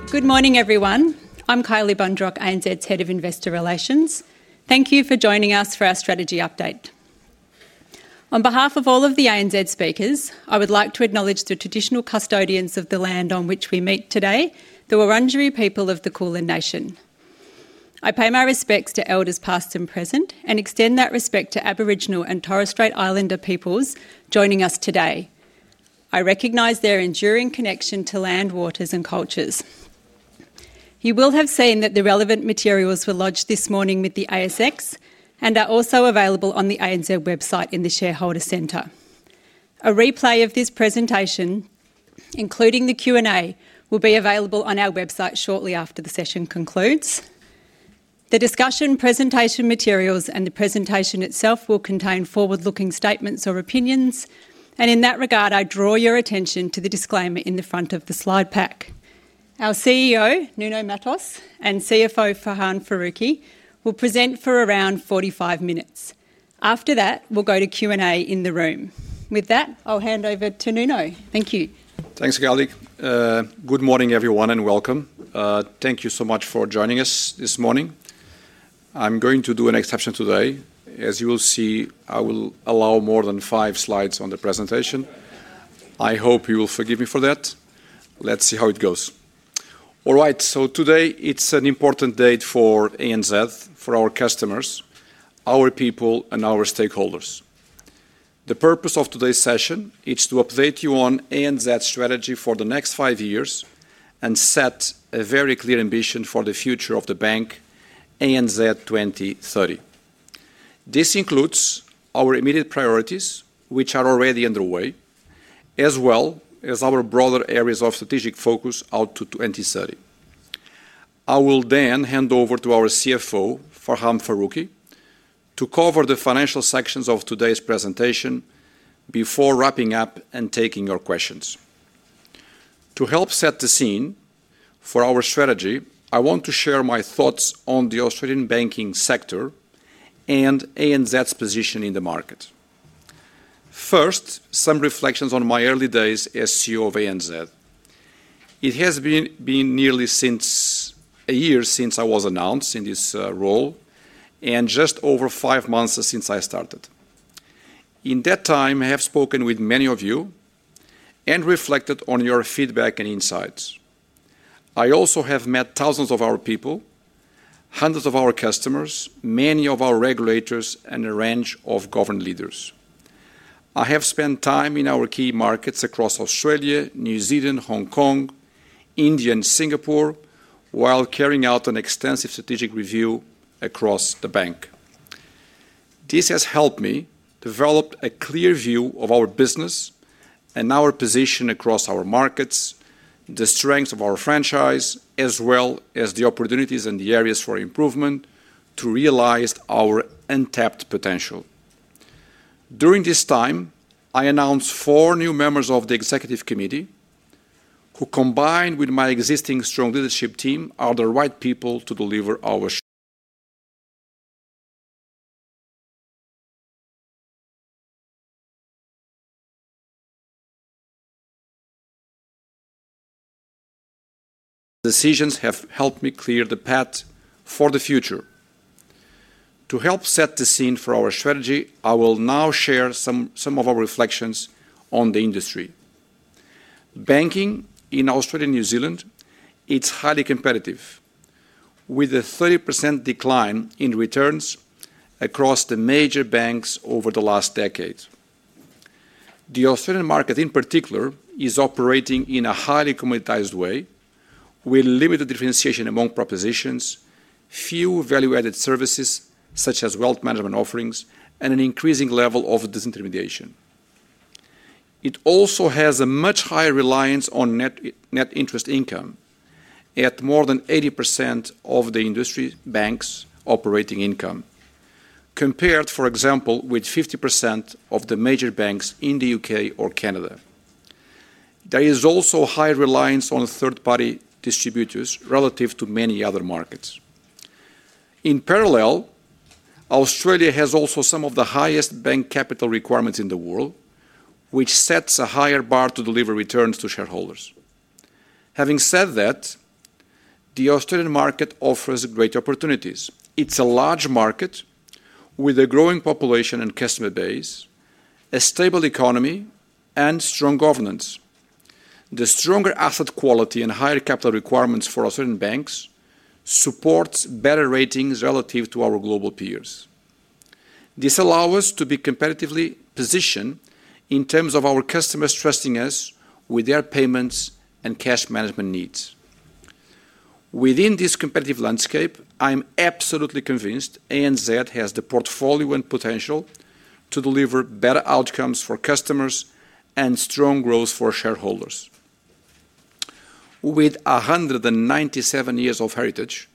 All right. Good morning, everyone. I'm Kylie Bundrock, ANZ's Head of Investor Relations. Thank you for joining us for our strategy update. On behalf of all of the ANZ speakers, I would like to acknowledge the traditional custodians of the land on which we meet today, the Wurundjeri people of the Kulin Nation. I pay my respects to elders past and present and extend that respect to Aboriginal and Torres Strait Islander peoples joining us today. I recognize their enduring connection to land, waters, and cultures. You will have seen that the relevant materials were lodged this morning with the ASX and are also available on the ANZ website in the Shareholder Centre. A replay of this presentation, including the Q&A, will be available on our website shortly after the session concludes. The discussion presentation materials and the presentation itself will contain forward-looking statements or opinions, and in that regard, I draw your attention to the disclaimer in the front of the slide pack. Our CEO, Nuno Matos, and CFO Farhan Faruqui will present for around 45 minutes. After that, we'll go to Q&A in the room. With that, I'll hand over to Nuno. Thank you. Thanks, Kylie. Good morning, everyone, and welcome. Thank you so much for joining us this morning. I'm going to do an exception today. As you will see, I will allow more than five slides on the presentation. I hope you will forgive me for that. Let's see how it goes. All right, today it's an important day for ANZ, for our customers, our people, and our stakeholders. The purpose of today's session is to update you on ANZ's strategy for the next five years and set a very clear ambition for the future of the bank, ANZ 2030. This includes our immediate priorities, which are already underway, as well as our broader areas of strategic focus out to 2030. I will then hand over to our CFO, Farhan Faruqui, to cover the financial sections of today's presentation before wrapping up and taking your questions. To help set the scene for our strategy, I want to share my thoughts on the Australian banking sector and ANZ's position in the market. First, some reflections on my early days as CEO of ANZ. It has been nearly a year since I was announced in this role and just over five months since I started. In that time, I have spoken with many of you and reflected on your feedback and insights. I also have met thousands of our people, hundreds of our customers, many of our regulators, and a range of government leaders. I have spent time in our key markets across Australia, New Zealand, Hong Kong, India, and Singapore while carrying out an extensive strategic review across the bank. This has helped me develop a clear view of our business and our position across our markets, the strengths of our franchise, as well as the opportunities and the areas for improvement to realize our untapped potential. During this time, I announced four new members of the executive committee, who, combined with my existing strong leadership team, are the right people to deliver our decisions and help me clear the path for the future. To help set the scene for our strategy, I will now share some of our reflections on the industry. Banking in Australia and New Zealand is highly competitive, with a 30% decline in returns across the major banks over the last decade. The Australian market, in particular, is operating in a highly commoditized way, with limited differentiation among propositions, few value-added services such as wealth management offerings, and an increasing level of disintermediation. It also has a much higher reliance on net interest income at more than 80% of the industry banks' operating income, compared, for example, with 50% of the major banks in the UK or Canada. There is also high reliance on third-party distributors relative to many other markets. In parallel, Australia has also some of the highest bank capital requirements in the world, which sets a higher bar to deliver returns to shareholders. Having said that, the Australian market offers great opportunities. It's a large market with a growing population and customer base, a stable economy, and strong governance. The stronger asset quality and higher capital requirements for Australian banks support better ratings relative to our global peers. This allows us to be competitively positioned in terms of our customers trusting us with their payments and cash management needs. Within this competitive landscape, I'm absolutely convinced ANZ has the portfolio and potential to deliver better outcomes for customers and strong growth for shareholders. With 197 years of heritage,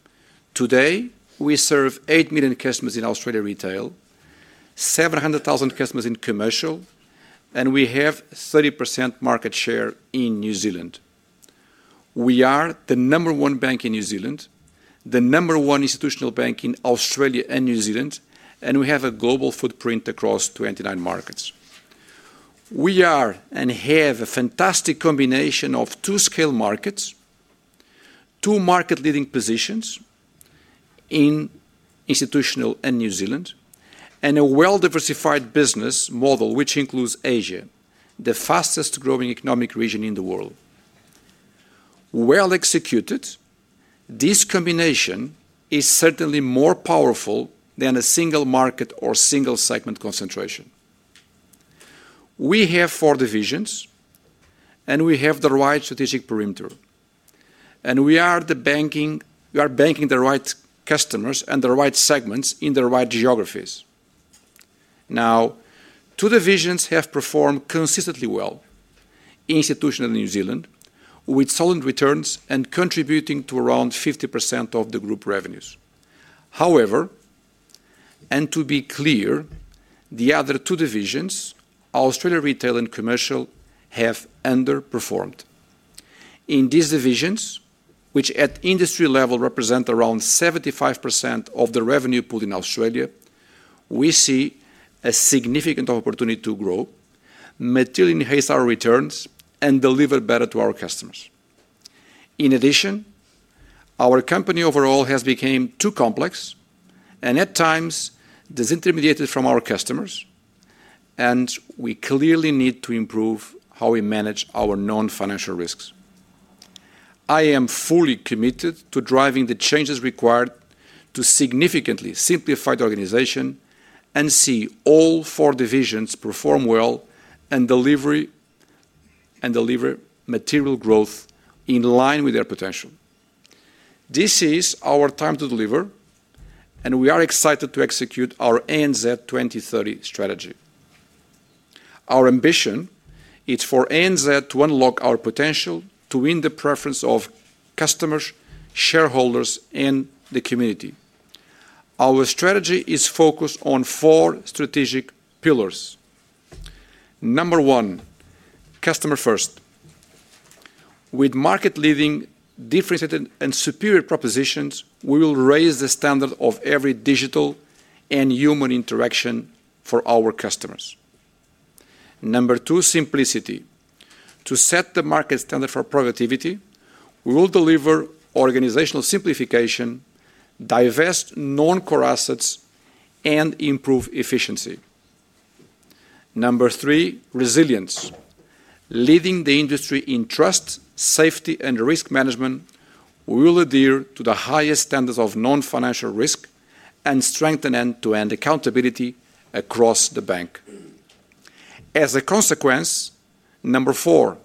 today we serve 8 million customers in Australia retail, 700,000 customers in commercial, and we have 30% market share in New Zealand. We are the number one bank in New Zealand, the number one institutional bank in Australia and New Zealand, and we have a global footprint across 29 markets. We have a fantastic combination of two scale markets, two market-leading positions in institutional and New Zealand, and a well-diversified business model which includes Asia, the fastest growing economic region in the world. If executed well, this combination is certainly more powerful than a single market or single segment concentration. We have four divisions, and we have the right strategic perimeter, and we are banking the right customers and the right segments in the right geographies. Now, two divisions have performed consistently well: institutional in New Zealand, with solid returns and contributing to around 50% of the group revenues. However, to be clear, the other two divisions, Australia retail and commercial, have underperformed. In these divisions, which at industry level represent around 75% of the revenue pool in Australia, we see a significant opportunity to grow, materially enhance our returns, and deliver better to our customers. In addition, our company overall has become too complex and at times disintermediated from our customers, and we clearly need to improve how we manage our known financial risks. I am fully committed to driving the changes required to significantly simplify the organization and see all four divisions perform well and deliver material growth in line with their potential. This is our time to deliver, and we are excited to execute our ANZ 2030 Strategy. Our ambition is for ANZ to unlock our potential to win the preference of customers, shareholders, and the community. Our strategy is focused on four strategic pillars. Number one, customer first. With market-leading, differentiated, and superior propositions, we will raise the standard of every digital and human interaction for our customers. Number two, simplicity. To set the market standard for productivity, we'll deliver organizational simplification, divest non-core assets, and improve efficiency. Number three, resilience. Leading the industry in trust, safety, and risk management, we will adhere to the highest standards of non-financial risk and strengthen end-to-end accountability across the bank. As a consequence, number four,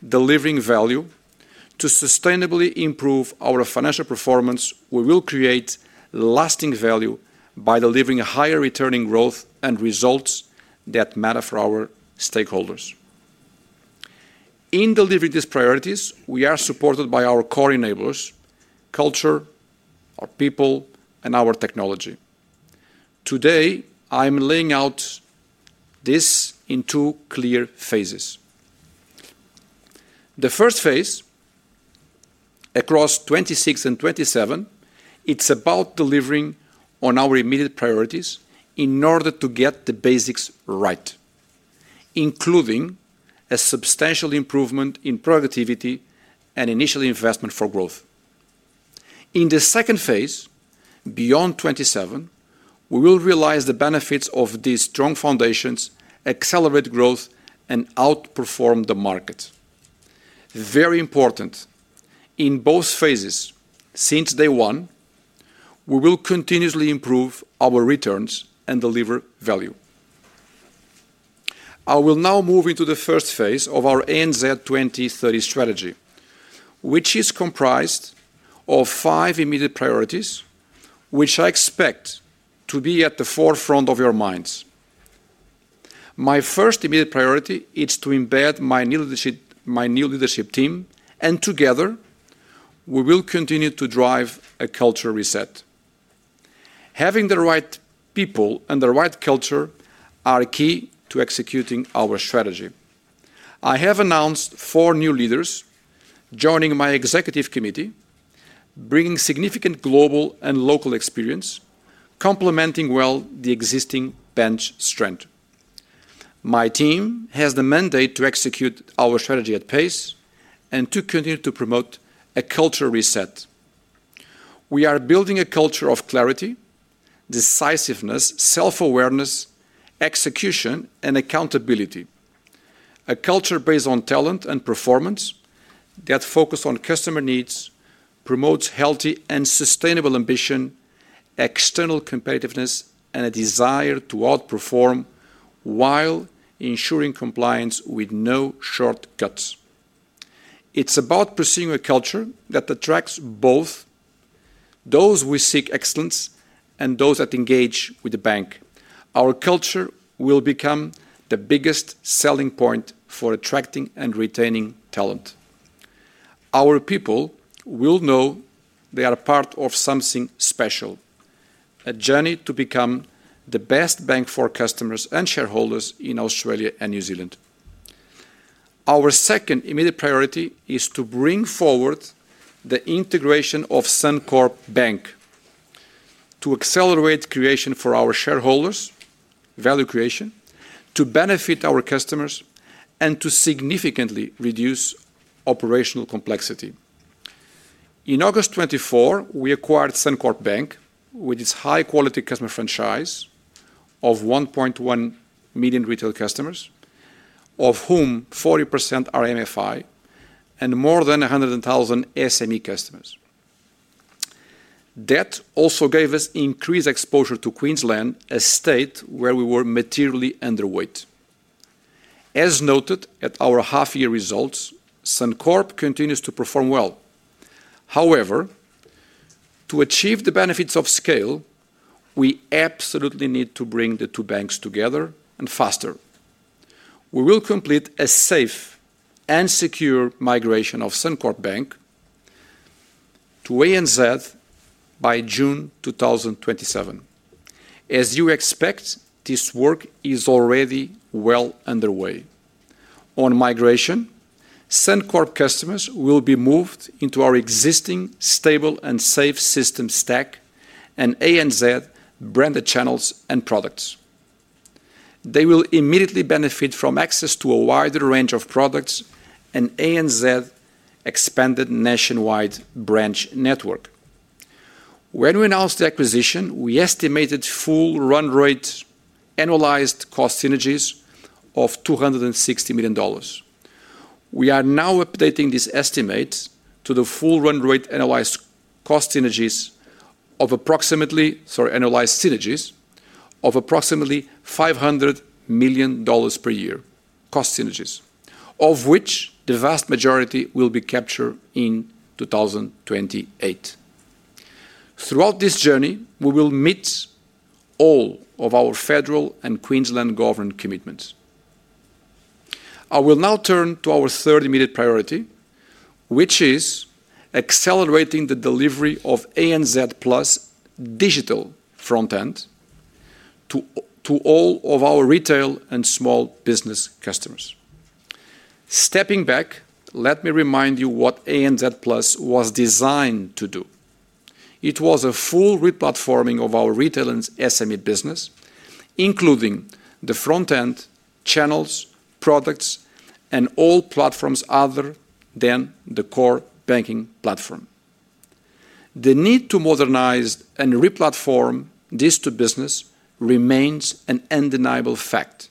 delivering value. To sustainably improve our financial performance, we will create lasting value by delivering higher returning growth and results that matter for our stakeholders. In delivering these priorities, we are supported by our core enablers: culture, our people, and our technology. Today, I'm laying out this in two clear phases. The first phase, across 2026 and 2027, it's about delivering on our immediate priorities in order to get the basics right, including a substantial improvement in productivity and initial investment for growth. In the second phase, beyond 2027, we will realize the benefits of these strong foundations, accelerate growth, and outperform the market. Very important, in both phases, since day one, we will continuously improve our returns and deliver value. I will now move into the first phase of our ANZ 2030 Strategy, which is comprised of five immediate priorities, which I expect to be at the forefront of your minds. My first immediate priority is to embed my new leadership team, and together, we will continue to drive a culture reset. Having the right people and the right culture are key to executing our strategy. I have announced four new leaders joining my Executive Committee, bringing significant global and local experience, complementing well the existing bench strength. My team has the mandate to execute our strategy at pace and to continue to promote a culture reset. We are building a culture of clarity, decisiveness, self-awareness, execution, and accountability. A culture based on talent and performance that focuses on customer needs, promotes healthy and sustainable ambition, external competitiveness, and a desire to outperform while ensuring compliance with no shortcuts. It's about pursuing a culture that attracts both those who seek excellence and those that engage with the bank. Our culture will become the biggest selling point for attracting and retaining talent. Our people will know they are part of something special, a journey to become the best bank for customers and shareholders in Australia and New Zealand. Our second immediate priority is to bring forward the integration of Suncorp Bank to accelerate value creation for our shareholders, to benefit our customers, and to significantly reduce operational complexity. In August 2024, we acquired Suncorp Bank with its high-quality customer franchise of 1.1 million retail customers, of whom 40% are MFI and more than 100,000 SME customers. That also gave us increased exposure to Queensland, a state where we were materially underweight. As noted at our half-year results, Suncorp continues to perform well. However, to achieve the benefits of scale, we absolutely need to bring the two banks together and faster. We will complete a safe and secure migration of Suncorp Bank to ANZ by June 2027. As you expect, this work is already well underway. On migration, Suncorp customers will be moved into our existing stable and safe system stack and ANZ branded channels and products. They will immediately benefit from access to a wider range of products and ANZ's expanded nationwide branch network. When we announced the acquisition, we estimated full run-rate annualized cost synergies of $260 million. We are now updating this estimate to the full run-rate annualized cost synergies of approximately $500 million per year, cost synergies, of which the vast majority will be captured in 2028. Throughout this journey, we will meet all of our federal and Queensland government commitments. I will now turn to our third immediate priority, which is accelerating the delivery of ANZ Plus digital front end to all of our retail and small business customers. Stepping back, let me remind you what ANZ Plus was designed to do. It was a full re-platforming of our retail and SME business, including the front end, channels, products, and all platforms other than the core banking platform. The need to modernize and re-platform this business remains an undeniable fact.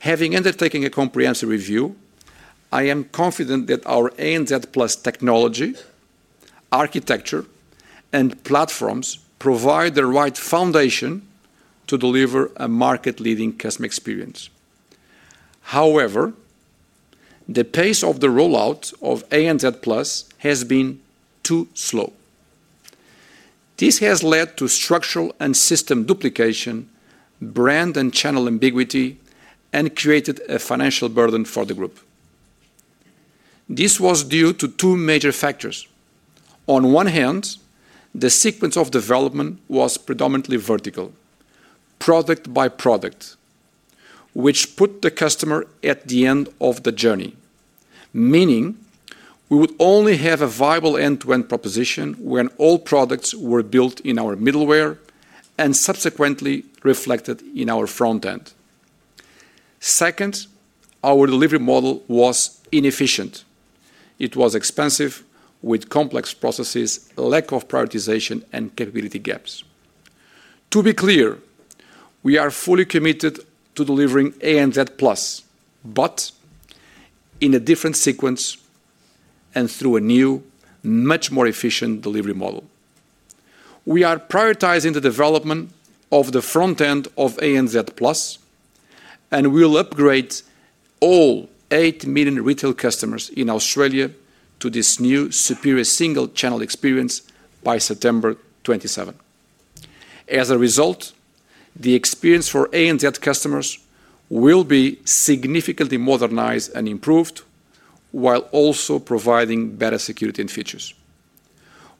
Having undertaken a comprehensive review, I am confident that our ANZ Plus technology, architecture, and platforms provide the right foundation to deliver a market-leading customer experience. However, the pace of the rollout of ANZ Plus has been too slow. This has led to structural and system duplication, brand and channel ambiguity, and created a financial burden for the group. This was due to two major factors. On one hand, the sequence of development was predominantly vertical, product by product, which put the customer at the end of the journey, meaning we would only have a viable end-to-end proposition when all products were built in our middleware and subsequently reflected in our front end. Second, our delivery model was inefficient. It was expensive, with complex processes, lack of prioritization, and capability gaps. To be clear, we are fully committed to delivering ANZ Plus, but in a different sequence and through a new, much more efficient delivery model. We are prioritizing the development of the front end of ANZ Plus, and we'll upgrade all 8 million retail customers in Australia to this new, superior single-channel experience by September 2027. As a result, the experience for ANZ customers will be significantly modernized and improved, while also providing better security and features.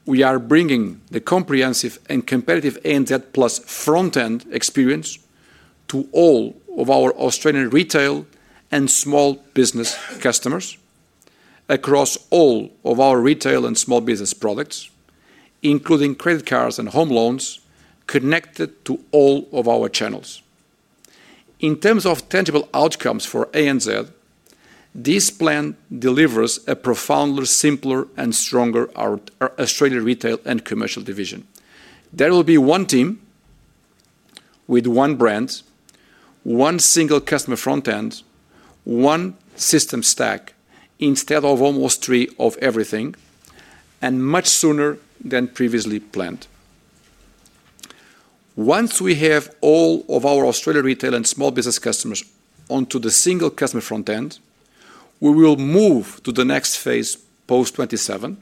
We are bringing the comprehensive and competitive ANZ Plus front-end experience to all of our Australian retail and small business customers across all of our retail and small business products, including credit cards and home loans connected to all of our channels. In terms of tangible outcomes for ANZ, this plan delivers a profoundly simpler and stronger Australian retail and commercial division. There will be one team with one brand, one single customer front end, one system stack instead of almost three of everything, and much sooner than previously planned. Once we have all of our Australian retail and small business customers onto the single customer front end, we will move to the next phase post 2027,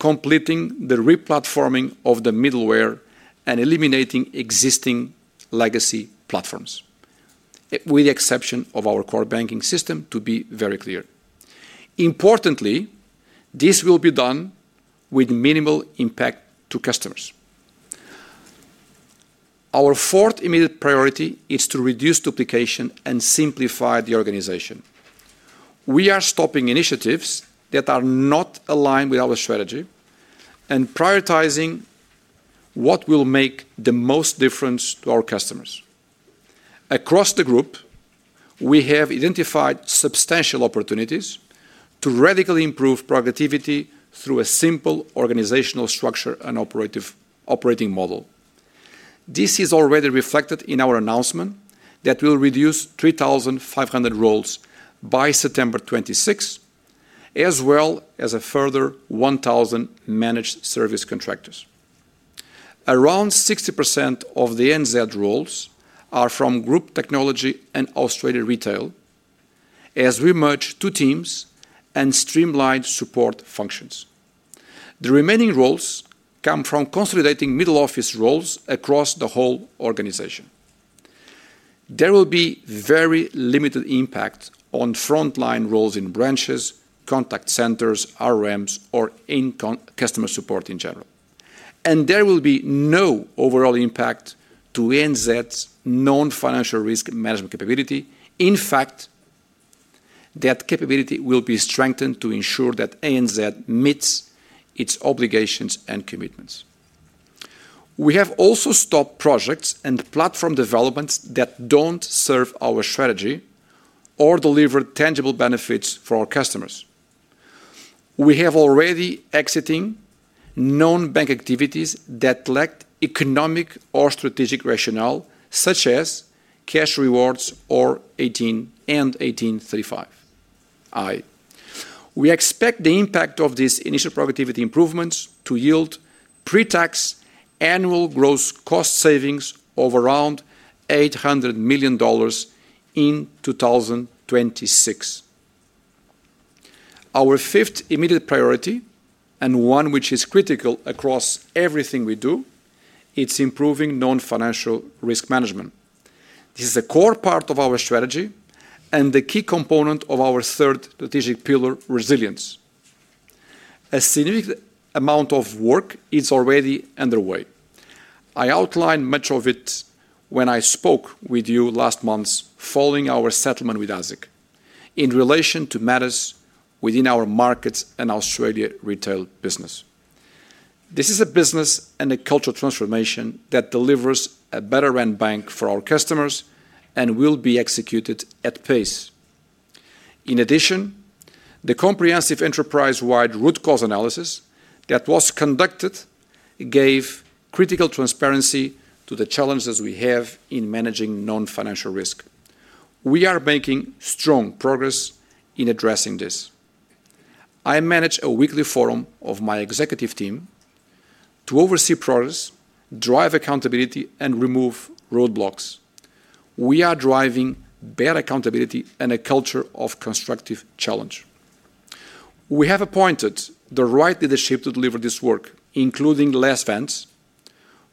completing the re-platforming of the middleware and eliminating existing legacy platforms, with the exception of our core banking system, to be very clear. Importantly, this will be done with minimal impact to customers. Our fourth immediate priority is to reduce duplication and simplify the organization. We are stopping initiatives that are not aligned with our strategy and prioritizing what will make the most difference to our customers. Across the group, we have identified substantial opportunities to radically improve productivity through a simple organizational structure and operating model. This is already reflected in our announcement that will reduce 3,500 roles by September 2026, as well as a further 1,000 managed service contractors. Around 60% of the ANZ roles are from group technology and Australian retail, as we merge two teams and streamline support functions. The remaining roles come from consolidating middle office roles across the whole organization. There will be very limited impact on front-line roles in branches, contact centers, RMs, or in customer support in general. There will be no overall impact to ANZ's non-financial risk management capability. In fact, that capability will be strengthened to ensure that ANZ meets its obligations and commitments. We have also stopped projects and platform developments that don't serve our strategy or deliver tangible benefits for our customers. We have already exited non-bank activities that lacked economic or strategic rationale, such as Cashrewards and 1835. We expect the impact of these initial productivity improvements to yield pre-tax annual gross cost savings of around $800 million in 2026. Our fifth immediate priority, and one which is critical across everything we do, is improving non-financial risk management. This is a core part of our strategy and the key component of our third strategic pillar, resilience. A significant amount of work is already underway. I outlined much of it when I spoke with you last month following our settlement with ASIC in relation to matters within our markets and Australia retail business. This is a business and a cultural transformation that delivers a better end bank for our customers and will be executed at pace. In addition, the comprehensive enterprise-wide root cause analysis that was conducted gave critical transparency to the challenges we have in managing non-financial risk. We are making strong progress in addressing this. I manage a weekly forum of my executive team to oversee progress, drive accountability, and remove roadblocks. We are driving better accountability and a culture of constructive challenge. We have appointed the right leadership to deliver this work, including Les Vance,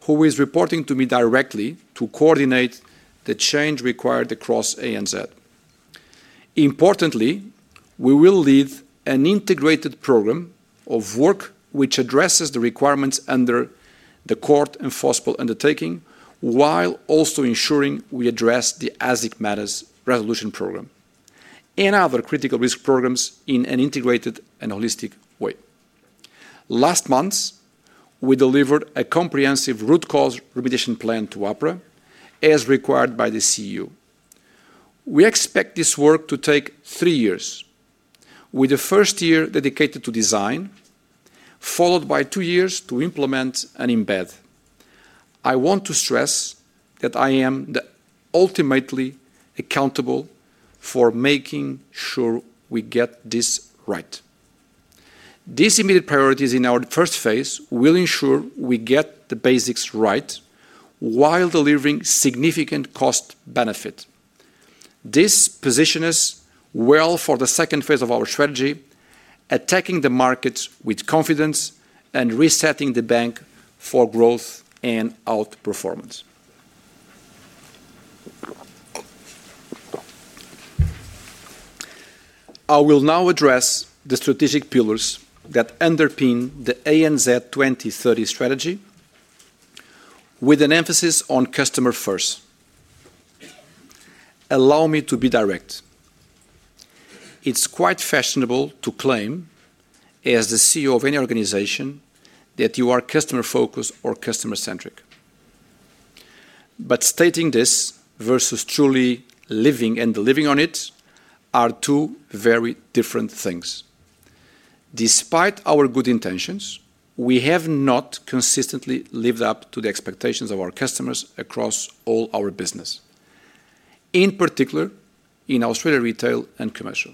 who is reporting to me directly to coordinate the change required across ANZ. Importantly, we will lead an integrated program of work which addresses the requirements under the court enforceable undertaking, while also ensuring we address the ASIC matters resolution program and other critical risk programs in an integrated and holistic way. Last month, we delivered a comprehensive root cause remediation plan to APRA, as required by the CEO. We expect this work to take three years, with the first year dedicated to design, followed by two years to implement and embed. I want to stress that I am ultimately accountable for making sure we get this right. These immediate priorities in our first phase will ensure we get the basics right while delivering significant cost benefit. This positions us well for the second phase of our strategy, attacking the markets with confidence and resetting the bank for growth and outperformance. I will now address the strategic pillars that underpin the ANZ 2030 Strategy, with an emphasis on customer first. Allow me to be direct. It's quite fashionable to claim, as the CEO of any organization, that you are customer focused or customer-centric. Stating this versus truly living and delivering on it are two very different things. Despite our good intentions, we have not consistently lived up to the expectations of our customers across all our business, in particular in Australia retail and commercial.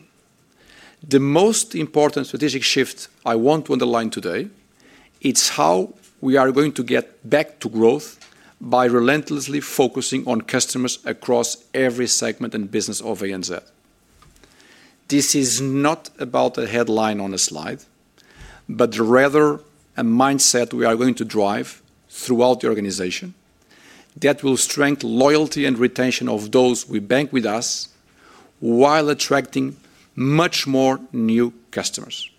The most important strategic shift I want to underline today is how we are going to get back to growth by relentlessly focusing on customers across every segment and business of ANZ. This is not about a headline on a slide, but rather a mindset we are going to drive throughout the organization that will strengthen loyalty and retention of those who bank with us while attracting much more new customers.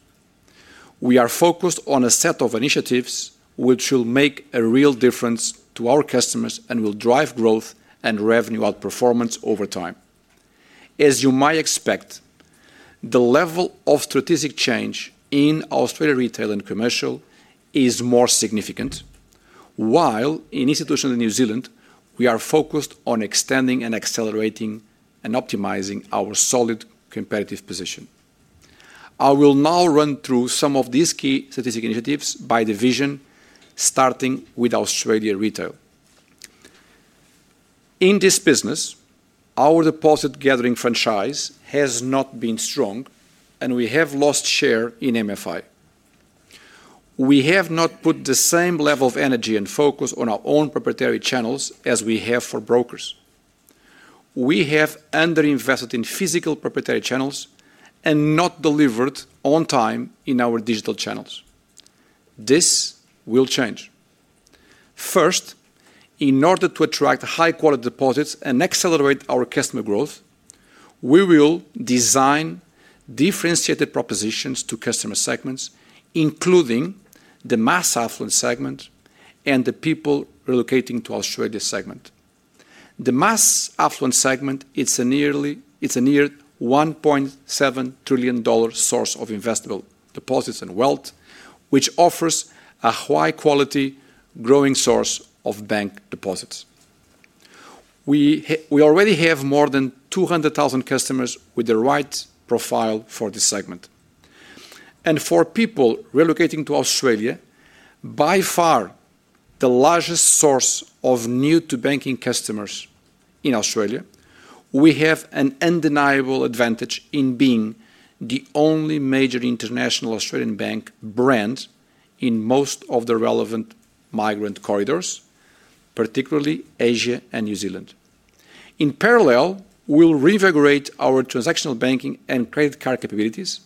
We are focused on a set of initiatives which will make a real difference to our customers and will drive growth and revenue outperformance over time. As you might expect, the level of strategic change in Australia retail and commercial is more significant, while in institutional New Zealand, we are focused on extending and accelerating and optimizing our solid competitive position. I will now run through some of these key strategic initiatives by division, starting with Australia retail. In this business, our deposit gathering franchise has not been strong, and we have lost share in MFI. We have not put the same level of energy and focus on our own proprietary channels as we have for brokers. We have underinvested in physical proprietary channels and not delivered on time in our digital channels. This will change. First, in order to attract high-quality deposits and accelerate our customer growth, we will design differentiated propositions to customer segments, including the mass affluent segment and the people relocating to Australia segment. The mass affluent segment is a near $1.7 trillion source of investable deposits and wealth, which offers a high-quality growing source of bank deposits. We already have more than 200,000 customers with the right profile for this segment. For people relocating to Australia, by far the largest source of new-to-banking customers in Australia, we have an undeniable advantage in being the only major international Australian bank brand in most of the relevant migrant corridors, particularly Asia and New Zealand. In parallel, we'll reinvigorate our transactional banking and credit card capabilities,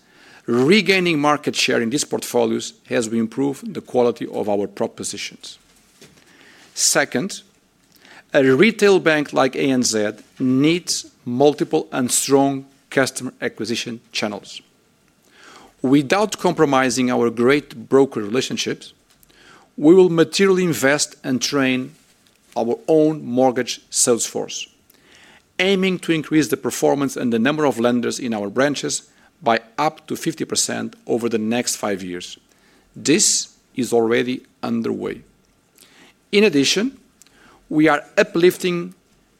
regaining market share in these portfolios as we improve the quality of our propositions. Second, a retail bank like ANZ needs multiple and strong customer acquisition channels. Without compromising our great broker relationships, we will materially invest and train our own mortgage sales force, aiming to increase the performance and the number of lenders in our branches by up to 50% over the next five years. This is already underway. In addition, we are uplifting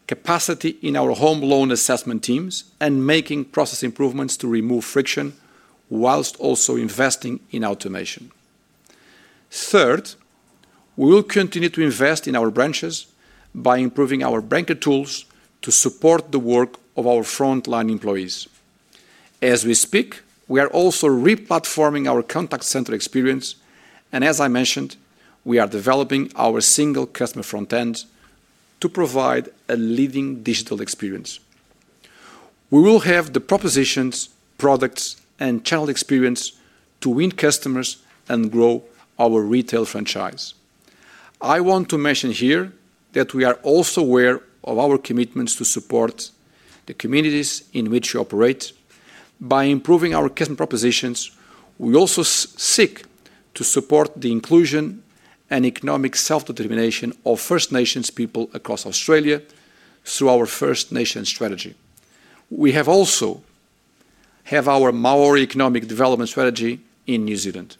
capacity in our home loan assessment teams and making process improvements to remove friction, whilst also investing in automation. Third, we will continue to invest in our branches by improving our banker tools to support the work of our front-line employees. As we speak, we are also re-platforming our contact center experience, and as I mentioned, we are developing our single customer front end to provide a leading digital experience. We will have the propositions, products, and channel experience to win customers and grow our retail franchise. I want to mention here that we are also aware of our commitments to support the communities in which we operate. By improving our customer propositions, we also seek to support the inclusion and economic self-determination of First Nations people across Australia through our First Nations Strategy. We also have our Māori Economic Development Strategy in New Zealand.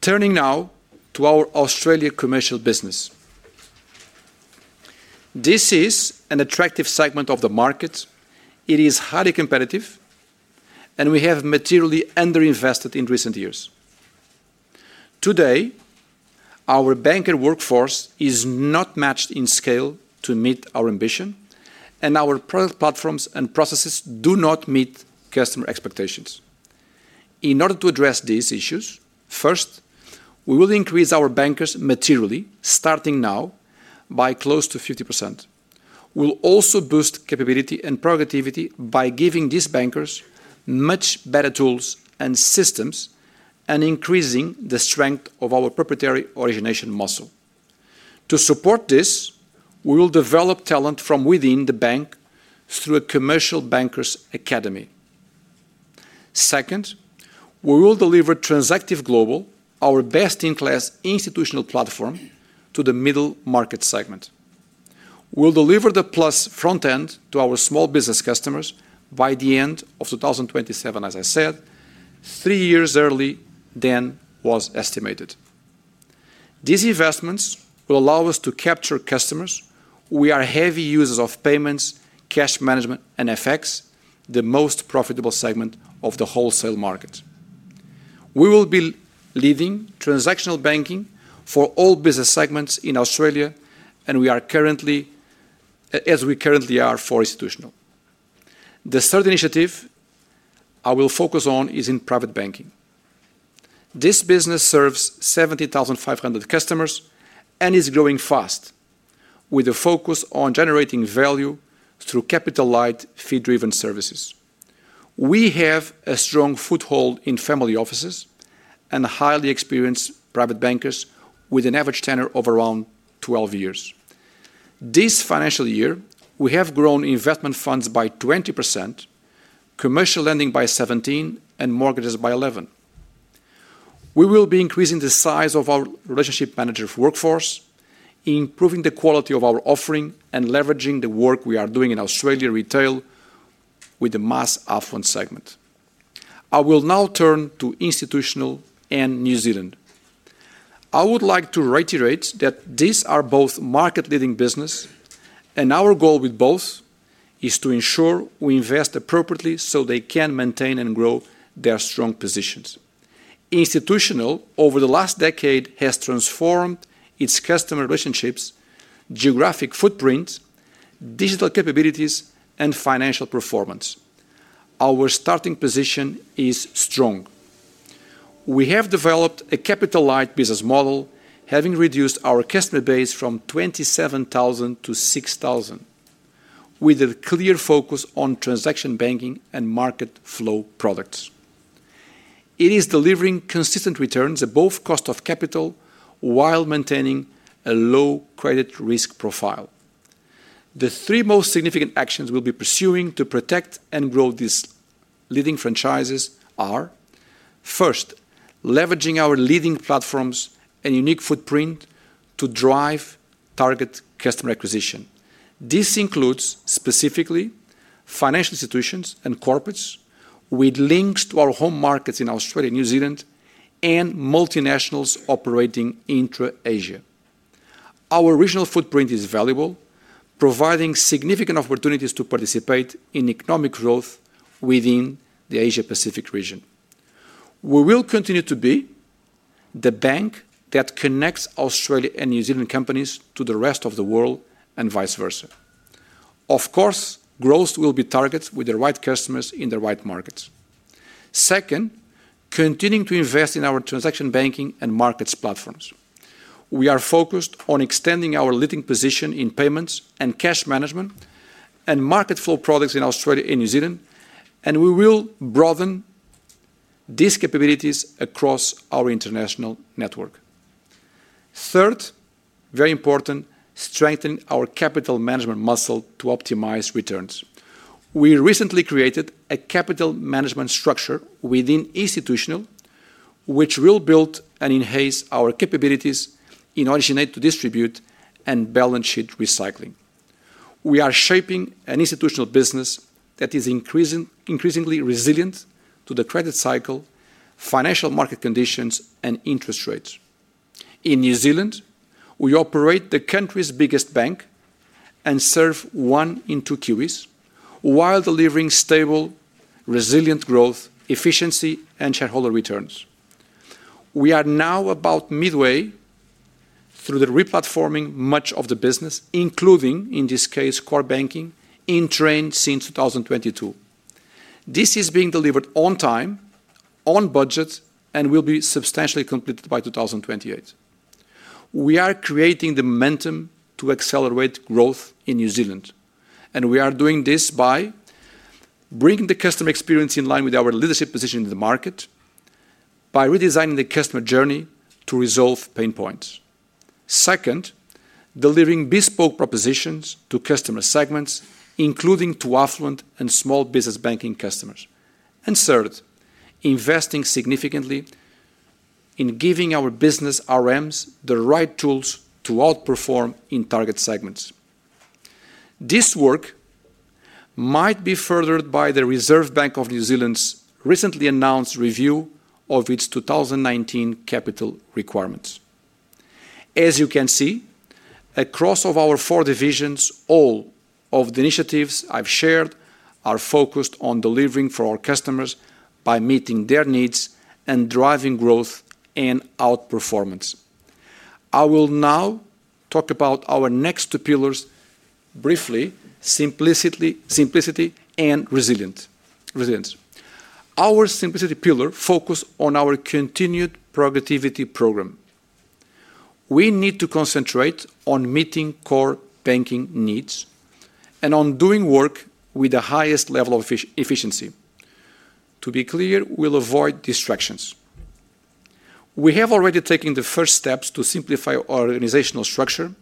Turning now to our Australia commercial business, this is an attractive segment of the market. It is highly competitive, and we have materially underinvested in recent years. Today, our banker workforce is not matched in scale to meet our ambition, and our product platforms and processes do not meet customer expectations. In order to address these issues, first, we will increase our bankers materially, starting now, by close to 50%. We'll also boost capability and productivity by giving these bankers much better tools and systems and increasing the strength of our proprietary origination muscle. To support this, we will develop talent from within the bank through a commercial bankers academy. Second, we will deliver Transactive Global, our best-in-class institutional platform, to the middle market segment. We'll deliver the Plus front end to our small business customers by the end of 2027, as I said, three years earlier than was estimated. These investments will allow us to capture customers who are heavy users of payments, cash management, and FX, the most profitable segment of the wholesale market. We will be leading transactional banking for all business segments in Australia, as we currently are for institutional. The third initiative I will focus on is in private banking. This business serves 70,500 customers and is growing fast, with a focus on generating value through capital-light fee-driven services. We have a strong foothold in family offices and highly experienced private bankers with an average tenure of around 12 years. This financial year, we have grown investment funds by 20%, commercial lending by 17%, and mortgages by 11%. We will be increasing the size of our relationship manager workforce, improving the quality of our offering, and leveraging the work we are doing in Australia retail with the mass affluent segment. I will now turn to institutional and New Zealand. I would like to reiterate that these are both market-leading businesses, and our goal with both is to ensure we invest appropriately so they can maintain and grow their strong positions. Institutional, over the last decade, has transformed its customer relationships, geographic footprints, digital capabilities, and financial performance. Our starting position is strong. We have developed a capital-light business model, having reduced our customer base from 27,000 to 6,000, with a clear focus on transaction banking and market flow products. It is delivering consistent returns at both cost of capital while maintaining a low credit risk profile. The three most significant actions we'll be pursuing to protect and grow these leading franchises are, first, leveraging our leading platforms and unique footprint to drive target customer acquisition. This includes specifically financial institutions and corporates with links to our home markets in Australia and New Zealand and multinationals operating intra-Asia. Our regional footprint is valuable, providing significant opportunities to participate in economic growth within the Asia-Pacific region. We will continue to be the bank that connects Australian and New Zealand companies to the rest of the world and vice versa. Of course, growth will be targeted with the right customers in the right markets. Second, continuing to invest in our transaction banking and markets platforms. We are focused on extending our leading position in payments and cash management and market flow products in Australia and New Zealand, and we will broaden these capabilities across our international network. Third, very important, strengthening our capital management muscle to optimize returns. We recently created a capital management structure within institutional, which will build and enhance our capabilities in originating to distribute and balance sheet recycling. We are shaping an institutional business that is increasingly resilient to the credit cycle, financial market conditions, and interest rates. In New Zealand, we operate the country's biggest bank and serve one in two Kiwis, while delivering stable, resilient growth, efficiency, and shareholder returns. We are now about midway through the re-platforming of much of the business, including, in this case, core banking, in train since 2022. This is being delivered on time, on budget, and will be substantially completed by 2028. We are creating the momentum to accelerate growth in New Zealand, and we are doing this by bringing the customer experience in line with our leadership position in the market, by redesigning the customer journey to resolve pain points. Second, delivering bespoke propositions to customer segments, including to affluent and small business banking customers. Third, investing significantly in giving our business RMs the right tools to outperform in target segments. This work might be furthered by the Reserve Bank of New Zealand's recently announced review of its 2019 capital requirements. As you can see, across our four divisions, all of the initiatives I've shared are focused on delivering for our customers by meeting their needs and driving growth and outperformance. I will now talk about our next two pillars briefly, simplicity and resilience. Our simplicity pillar focuses on our continued productivity program. We need to concentrate on meeting core banking needs and on doing work with the highest level of efficiency. To be clear, we'll avoid distractions. We have already taken the first steps to simplify our organizational structure,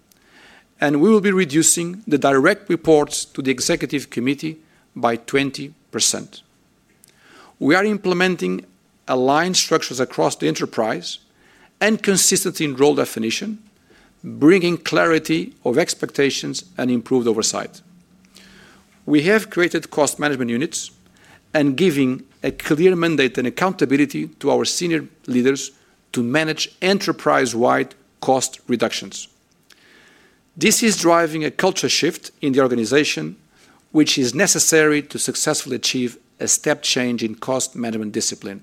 and we will be reducing the direct reports to the Executive Committee by 20%. We are implementing aligned structures across the enterprise and consistency in role definition, bringing clarity of expectations and improved oversight. We have created cost management units and given a clear mandate and accountability to our senior leaders to manage enterprise-wide cost reductions. This is driving a culture shift in the organization, which is necessary to successfully achieve a step change in cost management discipline.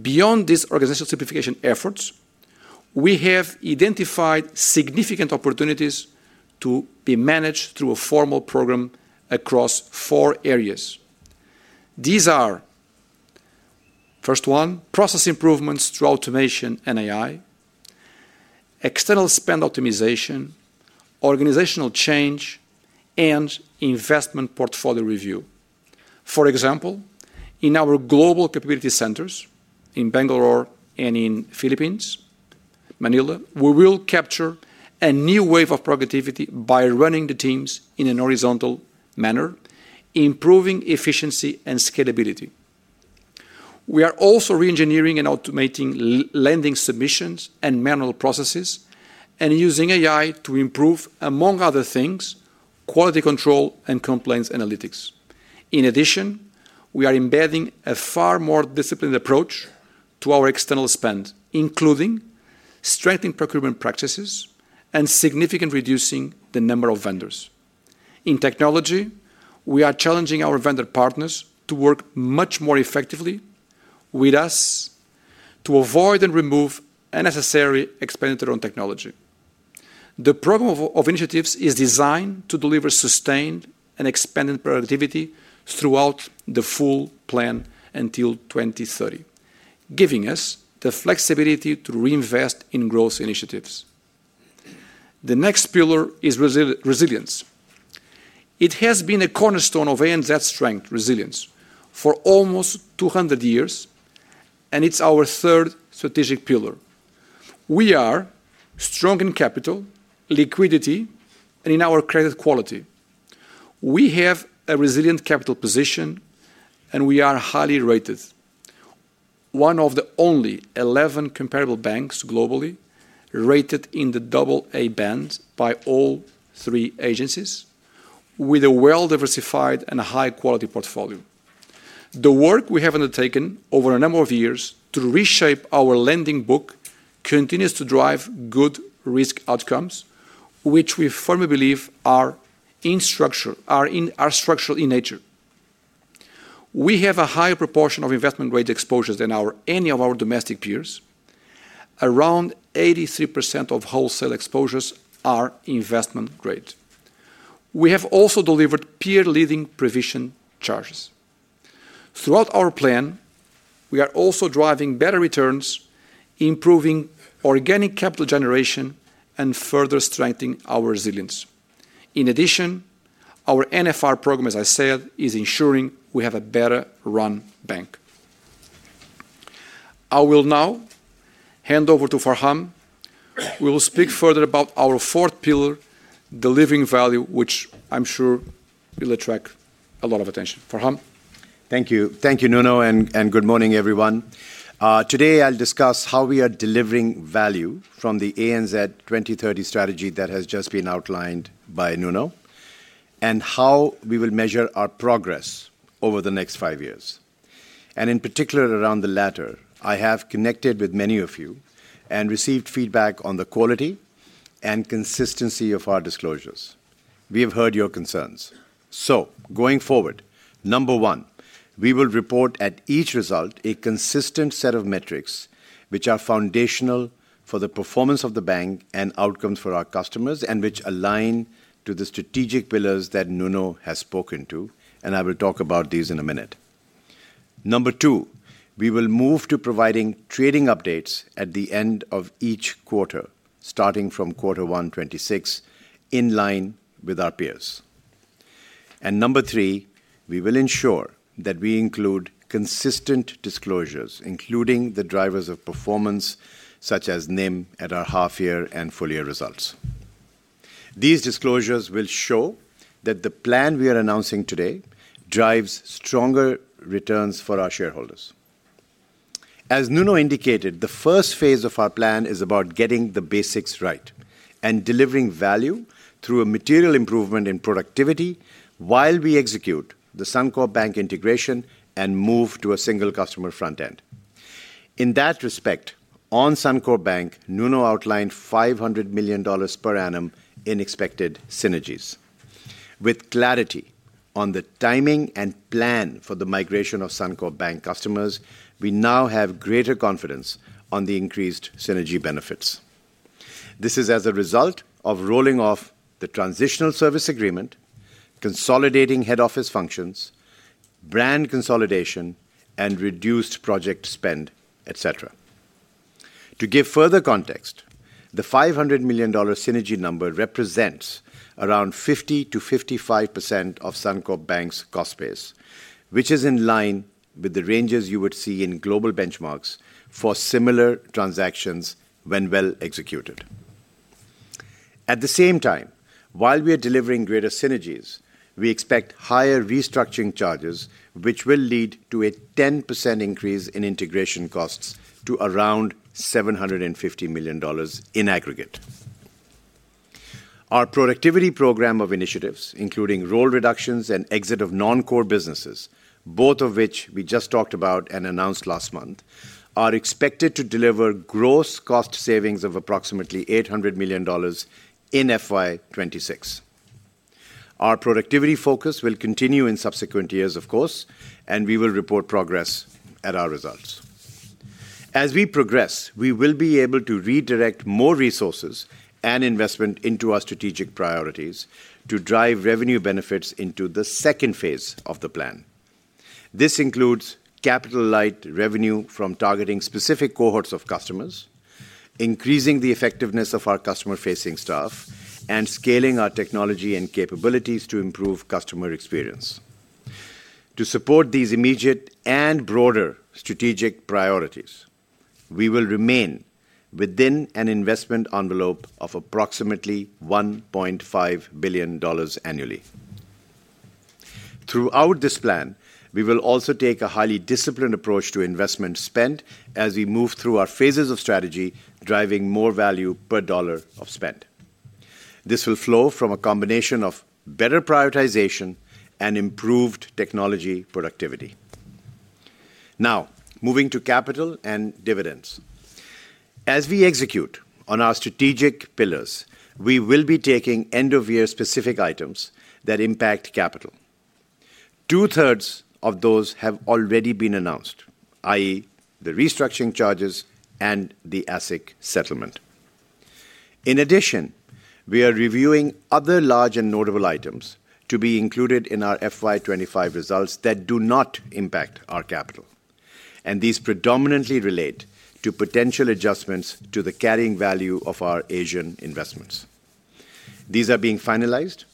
Beyond these organizational simplification efforts, we have identified significant opportunities to be managed through a formal program across four areas. These are, first, process improvements through automation and AI, external spend optimization, organizational change, and investment portfolio review. For example, in our global capability centers in Bangalore and in the Philippines, Manila, we will capture a new wave of productivity by running the teams in a horizontal manner, improving efficiency and scalability. We are also re-engineering and automating lending submissions and manual processes and using AI to improve, among other things, quality control and compliance analytics. In addition, we are embedding a far more disciplined approach to our external spend, including strengthening procurement practices and significantly reducing the number of vendors. In technology, we are challenging our vendor partners to work much more effectively with us to avoid and remove unnecessary expenditure on technology. The program of initiatives is designed to deliver sustained and expanded productivity throughout the full plan until 2030, giving us the flexibility to reinvest in growth initiatives. The next pillar is resilience. It has been a cornerstone of ANZ Group Holdings' strength, resilience, for almost 200 years, and it's our third strategic pillar. We are strong in capital, liquidity, and in our credit quality. We have a resilient capital position, and we are highly rated. One of the only 11 comparable banks globally, rated in the AA band by all three agencies, with a well-diversified and high-quality portfolio. The work we have undertaken over a number of years to reshape our lending book continues to drive good risk outcomes, which we firmly believe are structural in nature. We have a higher proportion of investment-grade exposures than any of our domestic peers. Around 83% of wholesale exposures are investment-grade. We have also delivered peer-leading provision charges. Throughout our plan, we are also driving better returns, improving organic capital generation, and further strengthening our resilience. In addition, our NFR program, as I said, is ensuring we have a better run bank. I will now hand over to Farhan. We will speak further about our fourth pillar, delivering value, which I'm sure will attract a lot of attention. Farhan. Thank you. Thank you, Nuno, and good morning, everyone. Today, I'll discuss how we are delivering value from the ANZ 2030 Strategy that has just been outlined by Nuno and how we will measure our progress over the next five years. In particular, around the latter, I have connected with many of you and received feedback on the quality and consistency of our disclosures. We have heard your concerns. Going forward, number one, we will report at each result a consistent set of metrics which are foundational for the performance of the bank and outcomes for our customers and which align to the strategic pillars that Nuno has spoken to. I will talk about these in a minute. Number two, we will move to providing trading updates at the end of each quarter, starting from quarter 126, in line with our peers. Number three, we will ensure that we include consistent disclosures, including the drivers of performance, such as NIM at our half-year and full-year results. These disclosures will show that the plan we are announcing today drives stronger returns for our shareholders. As Nuno indicated, the first phase of our plan is about getting the basics right and delivering value through a material improvement in productivity while we execute the Suncorp Bank integration and move to a single customer front end. In that respect, on Suncorp Bank, Nuno outlined $500 million per annum in expected synergies. With clarity on the timing and plan for the migration of Suncorp Bank customers, we now have greater confidence on the increased synergy benefits. This is as a result of rolling off the transitional service agreement, consolidating head office functions, brand consolidation, and reduced project spend, etc. To give further context, the $500 million synergy number represents around 50%-55% of Suncorp Bank's cost base, which is in line with the ranges you would see in global benchmarks for similar transactions when well executed. At the same time, while we are delivering greater synergies, we expect higher restructuring charges, which will lead to a 10% increase in integration costs to around $750 million in aggregate. Our productivity program of initiatives, including role reductions and exit of non-core businesses, both of which we just talked about and announced last month, are expected to deliver gross cost savings of approximately $800 million in FY 2026. Our productivity focus will continue in subsequent years, of course, and we will report progress at our results. As we progress, we will be able to redirect more resources and investment into our strategic priorities to drive revenue benefits into the second phase of the plan. This includes capital-light revenue from targeting specific cohorts of customers, increasing the effectiveness of our customer-facing staff, and scaling our technology and capabilities to improve customer experience. To support these immediate and broader strategic priorities, we will remain within an investment envelope of approximately $1.5 billion annually. Throughout this plan, we will also take a highly disciplined approach to investment spend as we move through our phases of strategy, driving more value per dollar of spend. This will flow from a combination of better prioritization and improved technology productivity. Now, moving to capital and dividends. As we execute on our strategic pillars, we will be taking end-of-year specific items that impact capital. Two-thirds of those have already been announced, i.e., the restructuring charges and the ASIC settlement. In addition, we are reviewing other large and notable items to be included in our FY 2025 results that do not impact our capital, and these predominantly relate to potential adjustments to the carrying value of our Asian investments. These are being finalized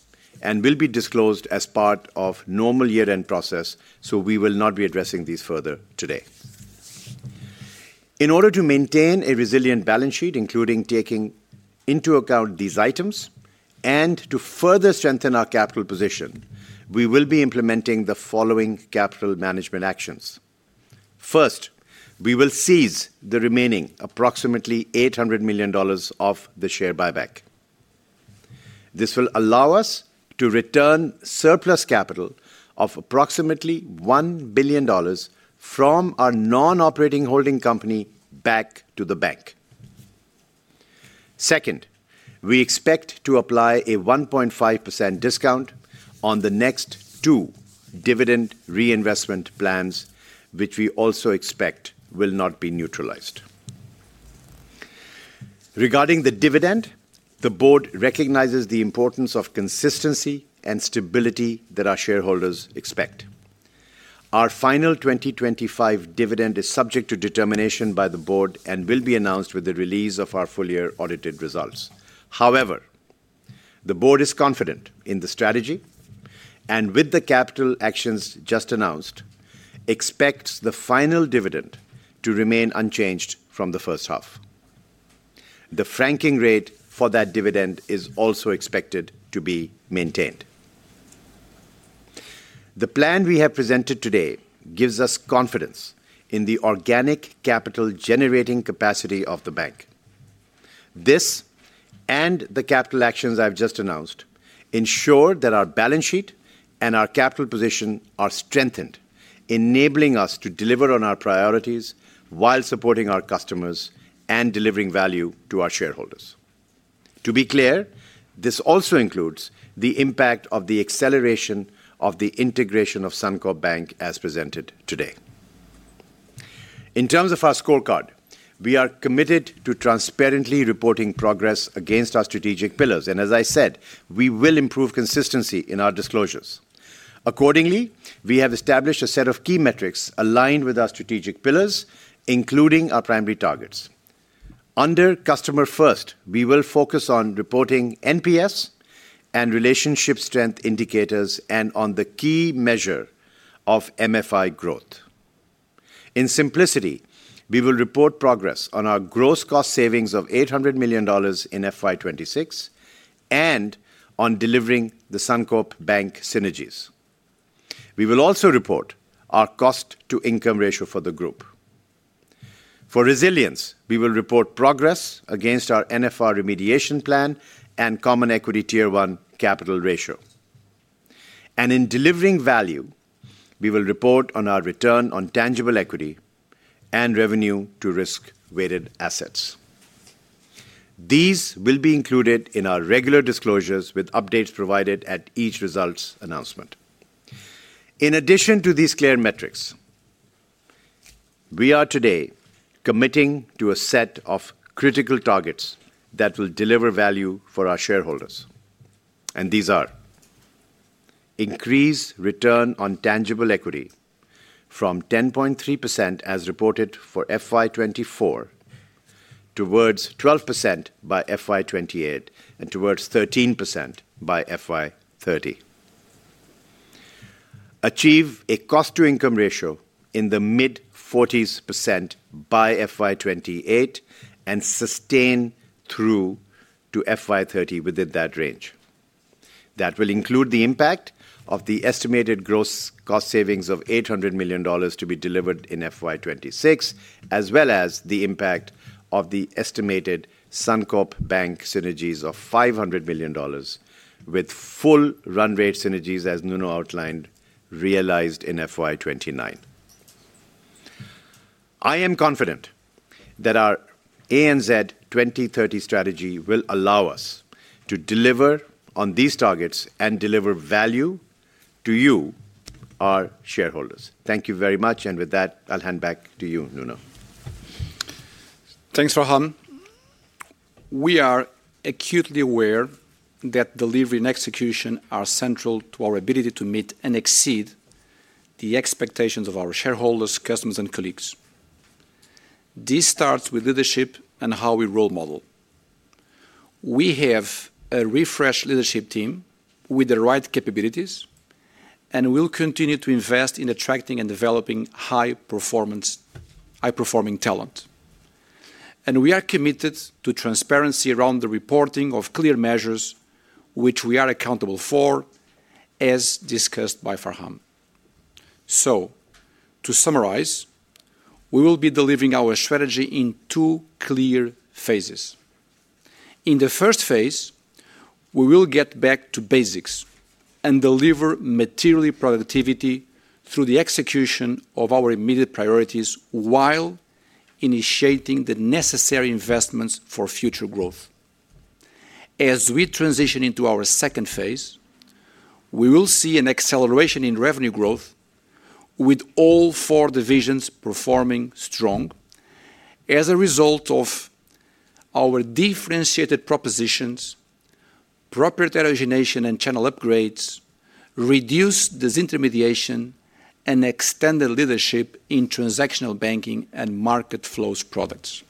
and will be disclosed as part of the normal year-end process, so we will not be addressing these further today. In order to maintain a resilient balance sheet, including taking into account these items, and to further strengthen our capital position, we will be implementing the following capital management actions. First, we will seize the remaining approximately $800 million of the share buyback. This will allow us to return surplus capital of approximately $1 billion from our non-operating holding company back to the bank. Second, we expect to apply a 1.5% discount on the next two dividend reinvestment plans, which we also expect will not be neutralized. Regarding the dividend, the Board recognizes the importance of consistency and stability that our shareholders expect. Our final 2025 dividend is subject to determination by the Board and will be announced with the release of our full-year audited results. However, the Board is confident in the strategy and, with the capital actions just announced, expects the final dividend to remain unchanged from the first half. The franking rate for that dividend is also expected to be maintained. The plan we have presented today gives us confidence in the organic capital-generating capacity of the bank. This and the capital actions I've just announced ensure that our balance sheet and our capital position are strengthened, enabling us to deliver on our priorities while supporting our customers and delivering value to our shareholders. To be clear, this also includes the impact of the acceleration of the integration of Suncorp Bank as presented today. In terms of our scorecard, we are committed to transparently reporting progress against our strategic pillars, and as I said, we will improve consistency in our disclosures. Accordingly, we have established a set of key metrics aligned with our strategic pillars, including our primary targets. Under customer first, we will focus on reporting NPS and relationship strength indicators and on the key measure of MFI growth. In simplicity, we will report progress on our gross cost savings of $800 million in FY 2026 and on delivering the Suncorp Bank synergies. We will also report our Cost-to-Income Ratio for the group. For resilience, we will report progress against our NFR Remediation Plan and Common Equity Tier 1 Capital Ratio. In delivering value, we will report on our Return on Tangible Equity and revenue to risk-weighted assets. These will be included in our regular disclosures with updates provided at each results announcement. In addition to these clear metrics, we are today committing to a set of critical targets that will deliver value for our shareholders, and these are increased Return on Tangible Equity from 10.3% as reported for FY 2024, towards 12% by FY 2028, and towards 13% by FY 2030. Achieve a Cost-to-Income Ratio in the mid-40s % by FY 2028 and sustain through to FY 2030 within that range. That will include the impact of the estimated gross cost savings of $800 million to be delivered in FY 2026, as well as the impact of the estimated Suncorp Bank synergies of $500 million, with full run-rate synergies, as Nuno outlined, realized in FY 2029. I am confident that our ANZ 2030 Strategy will allow us to deliver on these targets and deliver value to you, our shareholders. Thank you very much, and with that, I'll hand back to you, Nuno. Thanks, Farhan. We are acutely aware that delivery and execution are central to our ability to meet and exceed the expectations of our shareholders, customers, and colleagues. This starts with leadership and how we role model. We have a refreshed leadership team with the right capabilities, and we'll continue to invest in attracting and developing high-performing talent. We are committed to transparency around the reporting of clear measures, which we are accountable for, as discussed by Farhan. To summarize, we will be delivering our strategy in two clear phases. In the first phase, we will get back to basics and deliver material productivity through the execution of our immediate priorities while initiating the necessary investments for future growth. As we transition into our second phase, we will see an acceleration in revenue growth, with all four divisions performing strong as a result of our differentiated propositions, proprietary origination and channel upgrades, reduced disintermediation, and extended leadership in transactional banking and market flows products.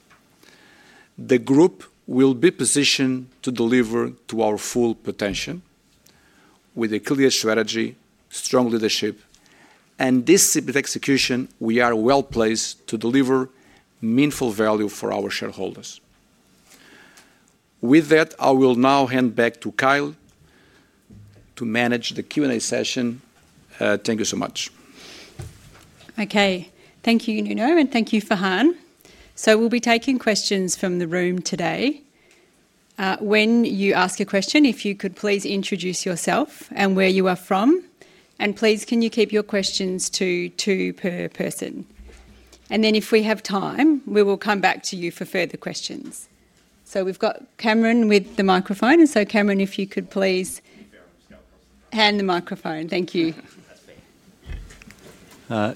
The group will be positioned to deliver to our full potential with a clear strategy, strong leadership, and disciplined execution. We are well placed to deliver meaningful value for our shareholders. With that, I will now hand back to Kylie to manage the Q&A session. Thank you so much. Okay. Thank you, Nuno, and thank you, Farhan. We'll be taking questions from the room today. When you ask a question, if you could please introduce yourself and where you are from, and please, can you keep your questions to two per person? If we have time, we will come back to you for further questions. We've got Cameron with the microphone, so Cameron, if you could please hand the microphone. Thank you.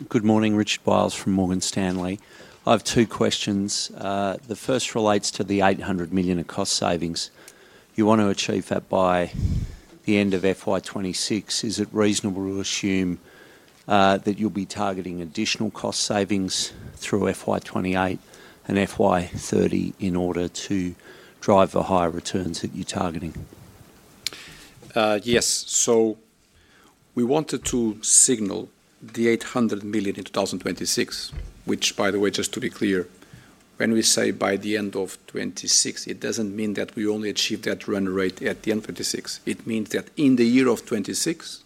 Good morning. Rich Wiles from Morgan Stanley. I have two questions. The first relates to the $800 million cost savings. You want to achieve that by the end of FY 2026. Is it reasonable to assume that you'll be targeting additional cost savings through FY 2028 and FY 2030 in order to drive the higher returns that you're targeting? Yes. We wanted to signal the $800 million in 2026, which, by the way, just to be clear, when we say by the end of 2026, it doesn't mean that we only achieve that run rate at the end of 2026. It means that in the year of 2026,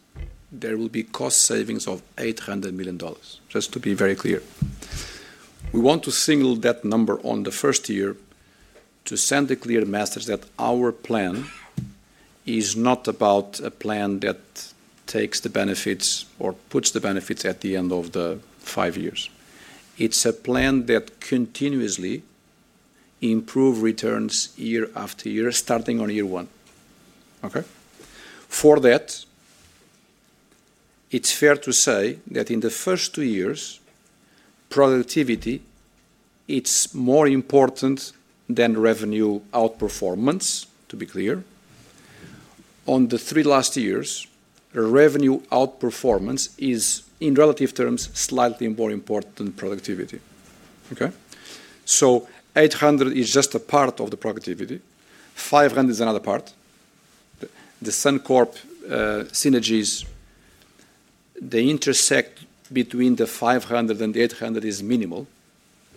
there will be cost savings of $800 million, just to be very clear. We want to signal that number in the first year to send a clear message that our plan is not about a plan that takes the benefits or puts the benefits at the end of the five years. It's a plan that continuously improves returns year after year, starting on year one. For that, it's fair to say that in the first two years, productivity is more important than revenue outperformance, to be clear. In the last three years, revenue outperformance is, in relative terms, slightly more important than productivity. $800 million is just a part of the productivity. $500 million is another part. The Suncorp synergies, the intersect between the $500 million and the $800 million is minimal,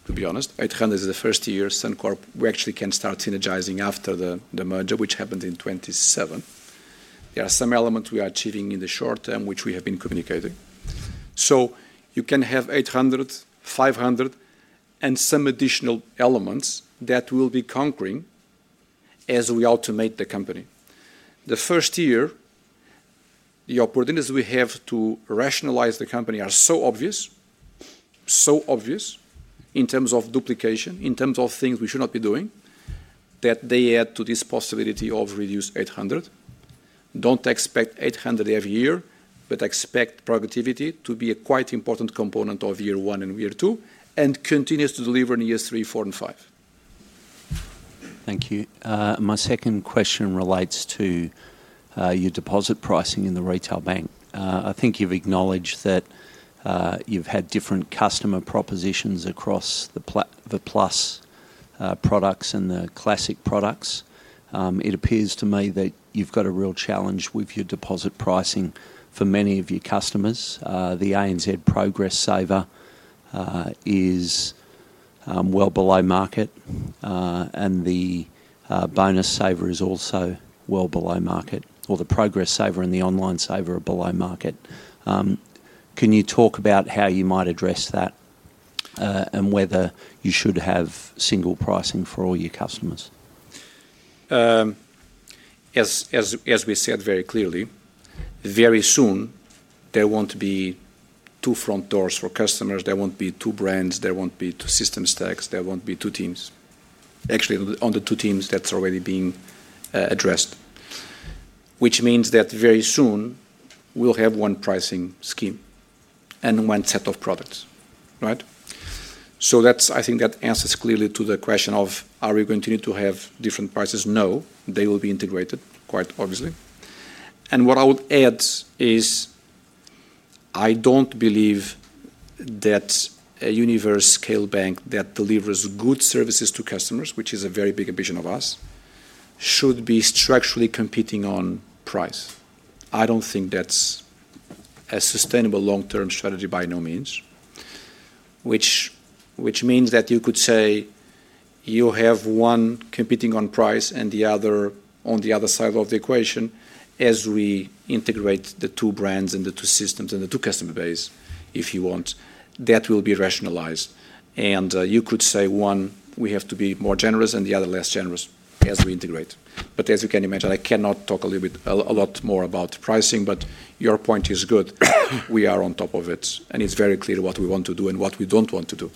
to be honest. $800 million is the first year Suncorp, we actually can start synergizing after the merger, which happens in 2027. There are some elements we are achieving in the short term, which we have been communicating. You can have $800 million, $500 million, and some additional elements that we'll be conquering as we automate the company. The first year, the opportunities we have to rationalize the company are so obvious, so obvious in terms of duplication, in terms of things we should not be doing, that they add to this possibility of reduced $800 million. Don't expect $800 million every year, but expect productivity to be a quite important component of year one and year two and continues to deliver in year three, four, and five. Thank you. My second question relates to your deposit pricing in the retail bank. I think you've acknowledged that you've had different customer propositions across the Plus products and the Classic products. It appears to me that you've got a real challenge with your deposit pricing for many of your customers. The ANZ Progress Saver is well below market, and the Bonus Saver is also well below market, or the Progress Saver and the Online Saver are below market. Can you talk about how you might address that and whether you should have single pricing for all your customers? As we said very clearly, very soon, there won't be two front doors for customers. There won't be two brands. There won't be two system stacks. There won't be two teams. Actually, on the two teams, that's already being addressed, which means that very soon, we'll have one pricing scheme and one set of products. I think that answers clearly to the question of, are we going to need to have different prices? No, they will be integrated, quite obviously. What I would add is I don't believe that a universal scale bank that delivers good services to customers, which is a very big ambition of us, should be structurally competing on price. I don't think that's a sustainable long-term strategy by no means, which means that you could say you have one competing on price and the other on the other side of the equation. As we integrate the two brands and the two systems and the two customer bases, if you want, that will be rationalized. You could say one, we have to be more generous and the other less generous as we integrate. As you can imagine, I cannot talk a lot more about pricing, but your point is good. We are on top of it, and it's very clear what we want to do and what we don't want to do.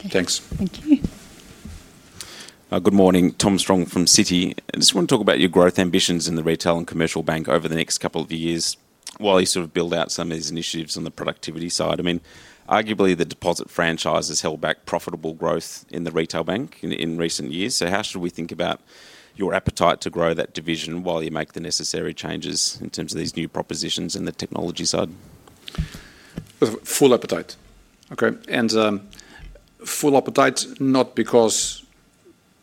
Okay. Thanks. Thank you. Good morning. Tom Strong from Citi. I just want to talk about your growth ambitions in the retail and commercial bank over the next couple of years while you sort of build out some of these initiatives on the productivity side. Arguably, the deposit franchise has held back profitable growth in the retail bank in recent years. How should we think about your appetite to grow that division while you make the necessary changes in terms of these new propositions and the technology side? Full appetite. Okay? Full appetite,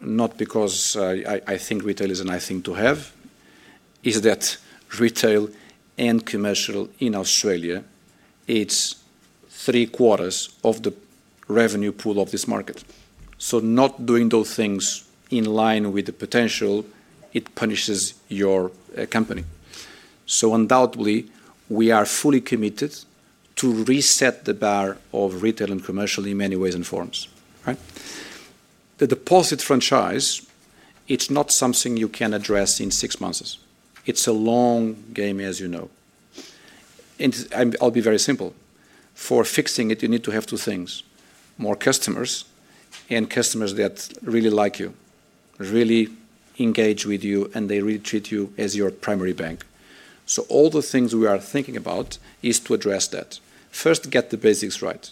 not because I think retail is a nice thing to have, is that retail and commercial in Australia, it's three quarters of the revenue pool of this market. Not doing those things in line with the potential punishes your company. Undoubtedly, we are fully committed to reset the bar of retail and commercial in many ways and forms. The deposit franchise, it's not something you can address in six months. It's a long game, as you know. I'll be very simple. For fixing it, you need to have two things: more customers and customers that really like you, really engage with you, and they really treat you as your primary bank. All the things we are thinking about are to address that. First, get the basics right.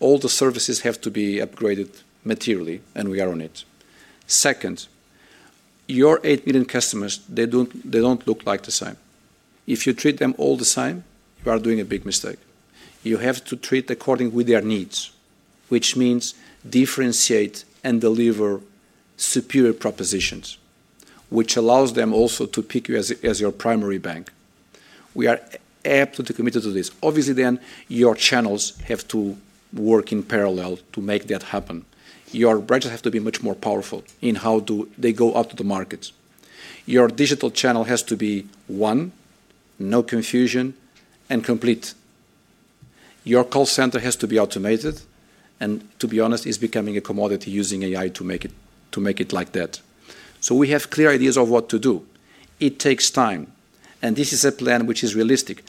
All the services have to be upgraded materially, and we are on it. Second, your 8 million customers, they don't look like the same. If you treat them all the same, you are doing a big mistake. You have to treat according to their needs, which means differentiate and deliver superior propositions, which allows them also to pick you as your primary bank. We are absolutely committed to this. Obviously, your channels have to work in parallel to make that happen. Your branches have to be much more powerful in how they go out to the market. Your digital channel has to be one, no confusion, and complete. Your call center has to be automated, and to be honest, it's becoming a commodity using AI to make it like that. We have clear ideas of what to do. It takes time, and this is a plan which is realistic.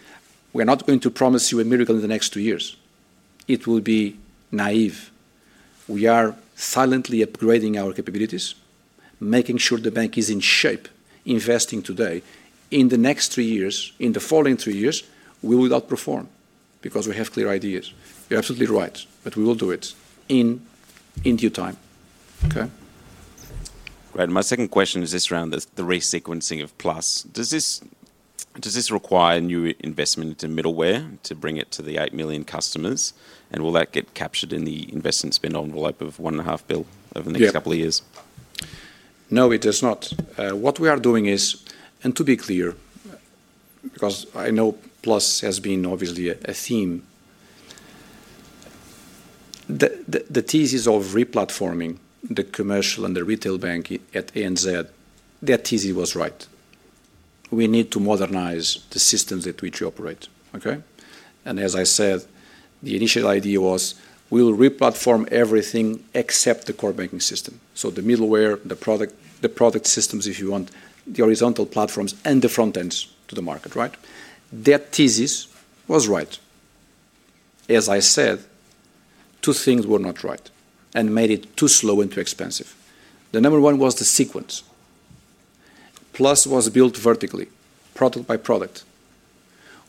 We're not going to promise you a miracle in the next two years. It will be naive. We are silently upgrading our capabilities, making sure the bank is in shape, investing today. In the next three years, in the following three years, we will outperform because we have clear ideas. You're absolutely right, but we will do it in due time. Okay? Great. My second question is just around the resequencing of Plus. Does this require new investment into middleware to bring it to the 8 million customers, and will that get captured in the investment spend envelope of $1.5 billion over the next couple of years? No, it does not. What we are doing is, and to be clear, because I know Plus has been obviously a theme, the thesis of re-platforming the commercial and the retail bank at ANZ, that thesis was right. We need to modernize the systems that we operate. Okay? As I said, the initial idea was we'll re-platform everything except the core banking system. The middleware, the product systems, if you want, the horizontal platforms, and the front ends to the market. That thesis was right. As I said, two things were not right and made it too slow and too expensive. Number one was the sequence. Plus was built vertically, product by product,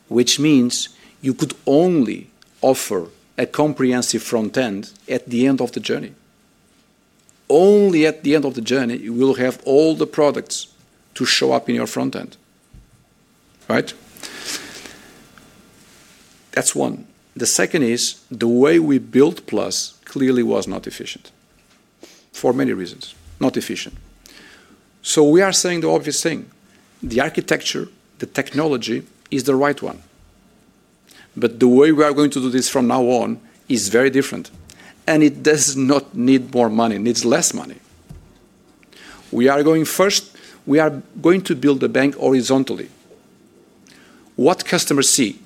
which means you could only offer a comprehensive front end at the end of the journey. Only at the end of the journey, you will have all the products to show up in your front end. That's one. The second is the way we built Plus clearly was not efficient for many reasons, not efficient. We are saying the obvious thing. The architecture, the technology is the right one, but the way we are going to do this from now on is very different, and it does not need more money. It needs less money. We are going first, we are going to build the bank horizontally. What customers see?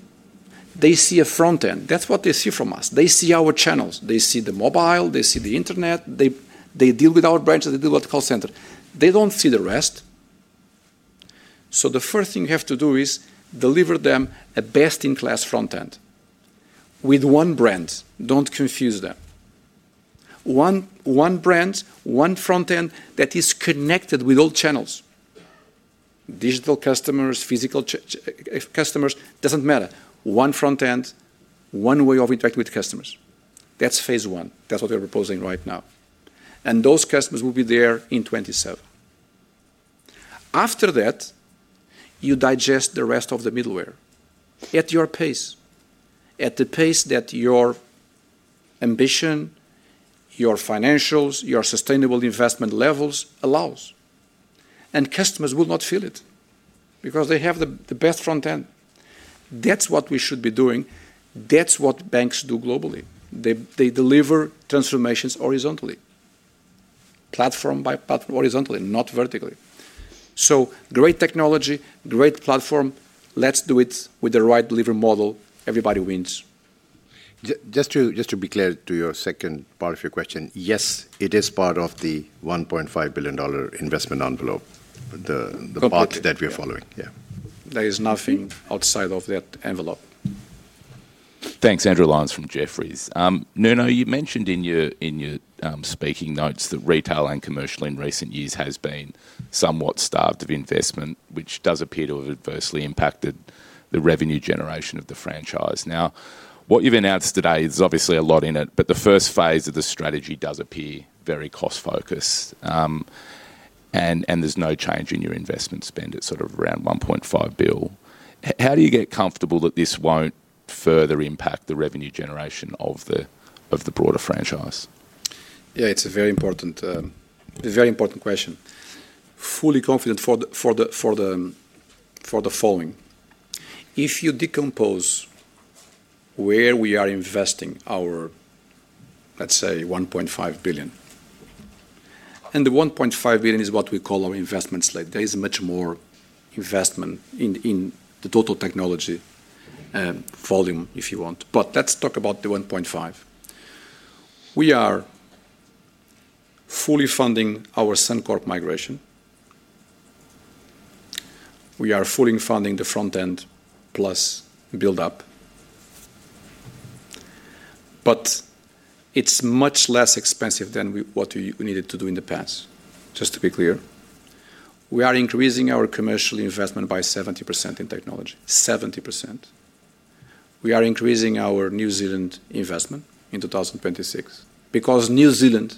They see a front end. That's what they see from us. They see our channels. They see the mobile. They see the internet. They deal with our branches. They deal with the call center. They don't see the rest. The first thing you have to do is deliver them a best-in-class front end with one brand. Don't confuse them. One brand, one front end that is connected with all channels, digital customers, physical customers, doesn't matter. One front end, one way of interacting with customers. That's phase one. That's what we're proposing right now. Those customers will be there in 2027. After that, you digest the rest of the middleware at your pace, at the pace that your ambition, your financials, your sustainable investment levels allow. Customers will not feel it because they have the best front end. That's what we should be doing. That's what banks do globally. They deliver transformations horizontally, platform by platform, horizontally, not vertically. Great technology, great platform. Let's do it with the right delivery model. Everybody wins. Just to be clear to your second part of your question, yes, it is part of the $1.5 billion investment envelope, the part that we are following. There is nothing outside of that envelope. Thanks. Andrew Lyons from Jefferies. Nuno, you mentioned in your speaking notes that retail and commercial in recent years have been somewhat starved of investment, which does appear to have adversely impacted the revenue generation of the franchise. What you've announced today, there's obviously a lot in it, but the first phase of the strategy does appear very cost-focused, and there's no change in your investment spend at around $1.5 billion. How do you get comfortable that this won't further impact the revenue generation of the broader franchise? Yeah, it's a very important question. Fully confident for the following. If you decompose where we are investing our, let's say, $1.5 billion, and the $1.5 billion is what we call our investment slate. There is much more investment in the total technology volume, if you want. Let's talk about the $1.5. We are fully funding our Suncorp migration. We are fully funding the front end ANZ Plus buildup, but it's much less expensive than what we needed to do in the past, just to be clear. We are increasing our commercial investment by 70% in technology, 70%. We are increasing our New Zealand investment in 2026 because New Zealand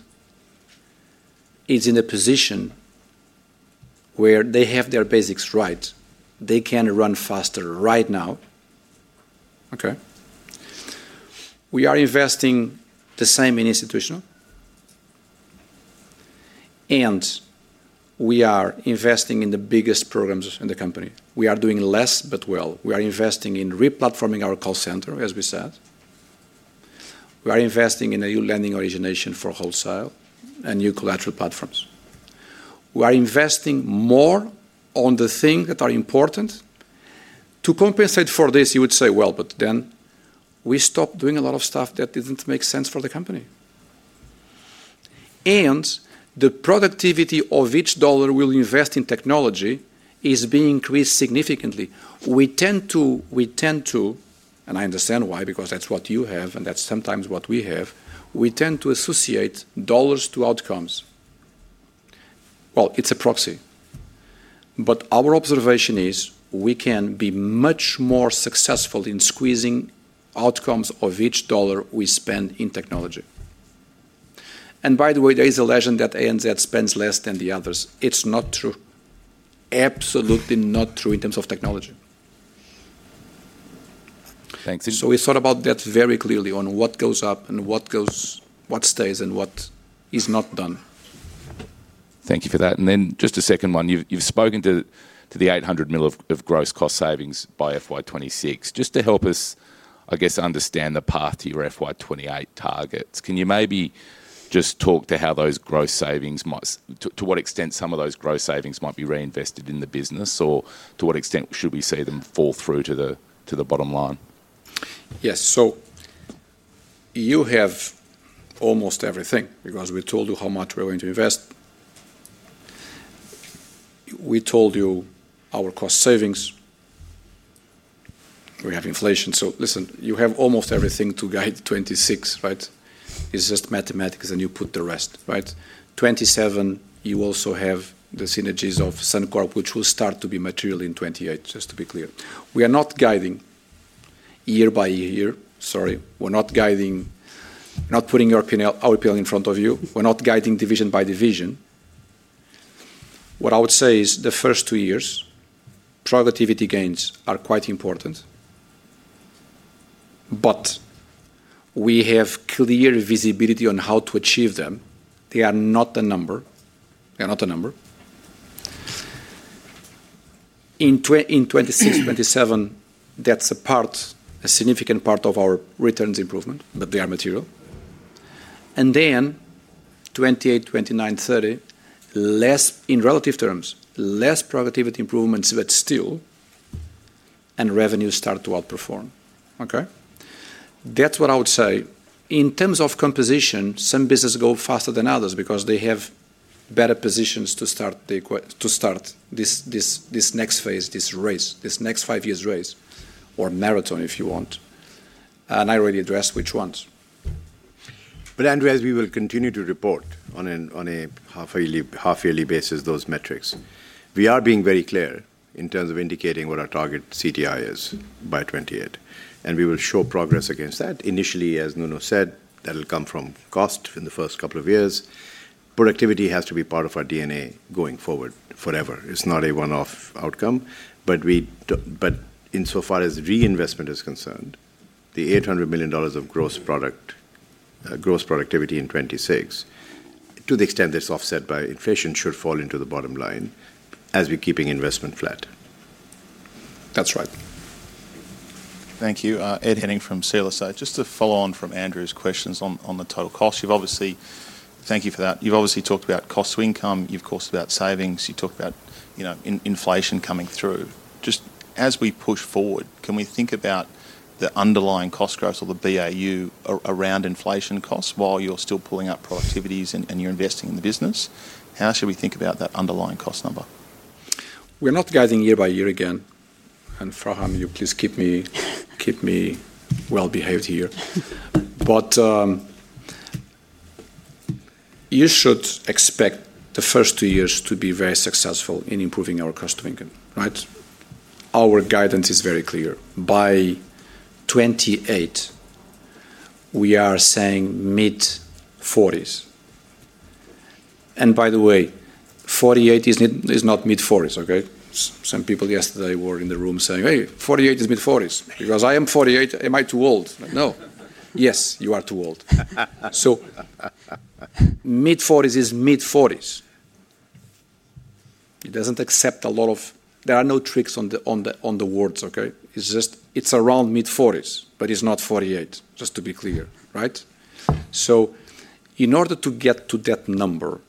is in a position where they have their basics right. They can run faster right now. We are investing the same in institutional and we are investing in the biggest programs in the company. We are doing less, but well. We are investing in re-platforming our call center, as we said. We are investing in a new lending origination for wholesale and new collateral platforms. We are investing more on the things that are important. To compensate for this, you would say, we stopped doing a lot of stuff that didn't make sense for the company. The productivity of each dollar we invest in technology is being increased significantly. We tend to, and I understand why, because that's what you have, and that's sometimes what we have, we tend to associate dollars to outcomes. It's a proxy. Our observation is we can be much more successful in squeezing outcomes of each dollar we spend in technology. By the way, there is a legend that ANZ spends less than the others. It's not true. Absolutely not true in terms of technology. Thanks. We thought about that very clearly, on what goes up, what stays, and what is not done. Thank you for that. Just a second one. You've spoken to the $800 million of gross cost savings by FY 2026. Just to help us, I guess, understand the path to your FY 2028 targets, can you maybe just talk to how those gross savings might, to what extent some of those gross savings might be reinvested in the business, or to what extent should we see them fall through to the bottom line? Yes, you have almost everything because we told you how much we're going to invest. We told you our cost savings. We have inflation. You have almost everything to guide 2026, right? It's just mathematics, and you put the rest, right? 2027, you also have the synergies of Suncorp, which will start to be material in 2028, just to be clear. We are not guiding year by year, sorry. We're not guiding, we're not putting our P&L in front of you. We're not guiding division by division. What I would say is the first two years, productivity gains are quite important, but we have clear visibility on how to achieve them. They are not a number. They are not a number. In 2026, 2027, that's a significant part of our returns improvement, but they are material. In 2028, 2029, 2030, less in relative terms, less productivity improvements, but still, and revenues start to outperform. That's what I would say. In terms of composition, some businesses go faster than others because they have better positions to start this next phase, this race, this next five years race, or marathon if you want. I already addressed which ones. But Andrew, as we will continue to report on a half-yearly basis, those metrics, we are being very clear in terms of indicating what our target Cost-to-Income Ratio is by 2028, and we will show progress against that. Initially, as Nuno said, that'll come from cost in the first couple of years. Productivity has to be part of our DNA going forward forever. It's not a one-off outcome, but insofar as reinvestment is concerned, the $800 million of gross productivity in 2026, to the extent that's offset by inflation, should fall into the bottom line as we're keeping investment flat. That's right. Thank you. Ed Henning from CLSA. Just to follow on from Andrew's questions on the total cost, thank you for that, you've obviously talked about cost-to-income, you've talked about savings, you've talked about inflation coming through. Just as we push forward, can we think about the underlying cost growth or the BAU around inflation costs while you're still pulling up productivities and you're investing in the business? How should we think about that underlying cost number? We're not guiding year by year again, and Farhan, you please keep me well-behaved here. You should expect the first two years to be very successful in improving our cost-to-income, right? Our guidance is very clear. By 2028, we are saying mid-40s. By the way, 48 is not mid-40s, okay? Some people yesterday were in the room saying, "Hey, 48 is mid-40s." Because I am 48, am I too old? No. Yes, you are too old. Mid-40s is mid-40s. It doesn't accept a lot of, there are no tricks on the words, okay? It's just, it's around mid-40s, but it's not 48, just to be clear, right? In order to get to that number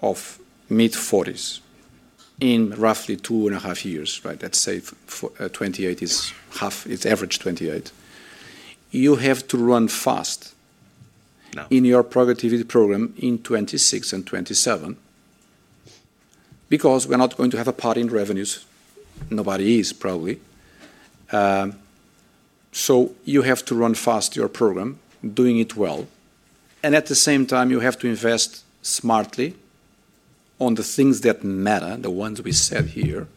of mid-40s in roughly two and a half years, right, let's say 2028 is half, it's average 2028, you have to run fast in your productivity program in 2026 and 2027 because we're not going to have a part in revenues. Nobody is, probably. You have to run fast your program, doing it well, and at the same time, you have to invest smartly on the things that matter, the ones we said here,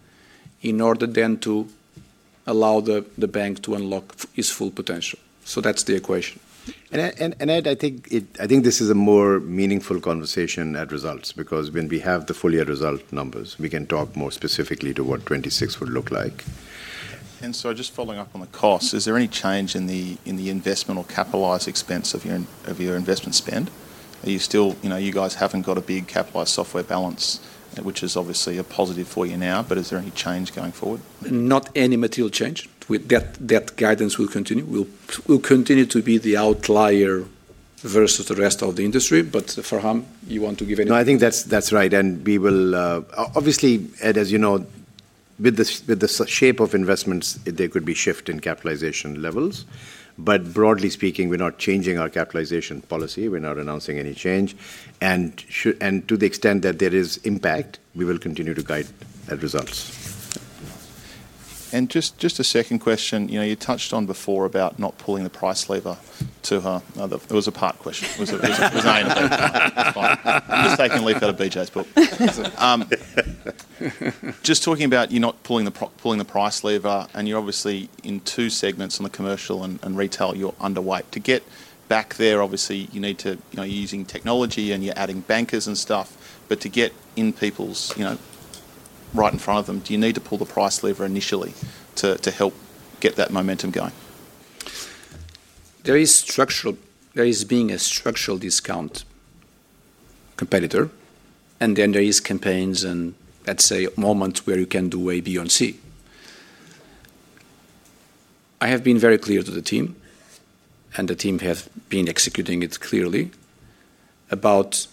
in order then to allow the bank to unlock its full potential. That's the equation. I think this is a more meaningful conversation at results because when we have the fully at result numbers, we can talk more specifically to what 2026 would look like. Just following up on the cost, is there any change in the investment or capitalized expense of your investment spend? Are you still, you guys haven't got a big capitalized software balance, which is obviously a positive for you now, but is there any change going forward? Not any material change. That guidance will continue. We'll continue to be the outlier versus the rest of the industry. Farhan, you want to give any. No, I think that's right, and we will, obviously, Ed, as you know, with the shape of investments, there could be a shift in capitalization levels, but broadly speaking, we're not changing our capitalization policy. We're not announcing any change, and to the extent that there is impact, we will continue to guide at results. Just a second question, you touched on before about not pulling the price lever to her. It was a part question. It was anonymous. I'm just taking a leaf out of BJ's book. Just talking about you not pulling the price lever, and you're obviously in two segments on the commercial and retail, you're underweight. To get back there, obviously, you're using technology and you're adding bankers and stuff, but to get in people's right in front of them, do you need to pull the price lever initially to help get that momentum going? There is being a structural discount competitor, and then there are campaigns and, let's say, moments where you can do A, B, and C. I have been very clear to the team, and the team has been executing it clearly, about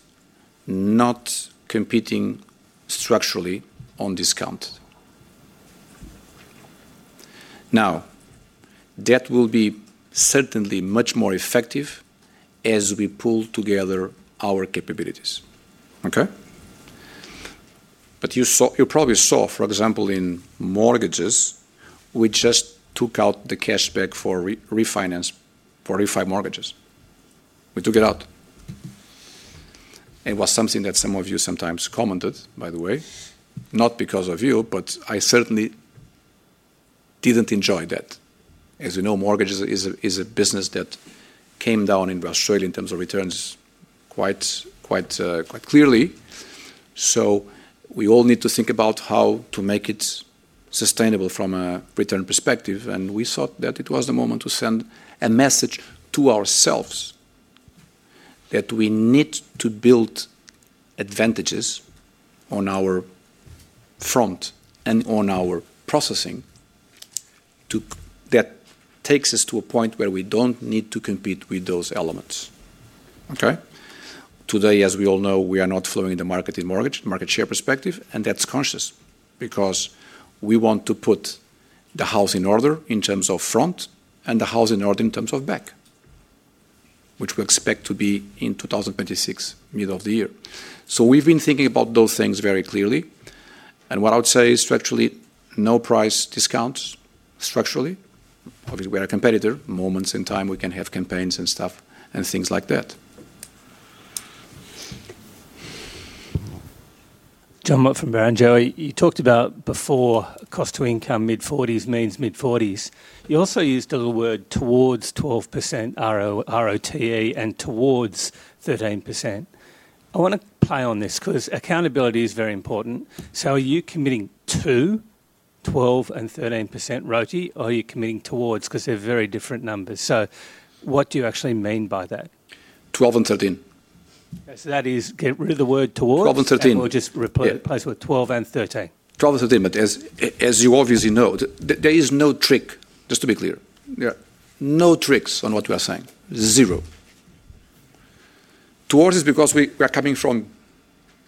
not competing structurally on discount. That will be certainly much more effective as we pull together our capabilities. You probably saw, for example, in mortgages, we just took out the cashback for refinance, for refinance mortgages. We took it out. It was something that some of you sometimes commented, by the way, not because of you, but I certainly didn't enjoy that. As you know, mortgages is a business that came down in Australia in terms of returns quite clearly. We all need to think about how to make it sustainable from a return perspective, and we thought that it was the moment to send a message to ourselves that we need to build advantages on our front and on our processing that takes us to a point where we don't need to compete with those elements. Today, as we all know, we are not flowing the market in mortgage, market share perspective, and that's conscious because we want to put the house in order in terms of front and the house in order in terms of back, which we expect to be in 2026, middle of the year. We've been thinking about those things very clearly, and what I would say is structurally no price discounts, structurally. Obviously, we are a competitor. Moments in time we can have campaigns and stuff and things like that. Jonathan Mott from Barrenjoey, you talked about before cost-to-income mid-40s means mid-40s. You also used the little 12% Return on Tangible Equity and towards 13%. I want to play on this because accountability is very important. Are you committing to 12% 13% Return on Tangible Equity, or are you committing towards because they're very different numbers? What do you actually mean by that? 12% and 13%. Okay, that is get rid of the word towards. 12% and 13%. Just replace with 12% and 13%. 12% and 13%, but as you obviously know, there is no trick, just to be clear. There are no tricks on what we are saying. Zero. Towards is because we are coming from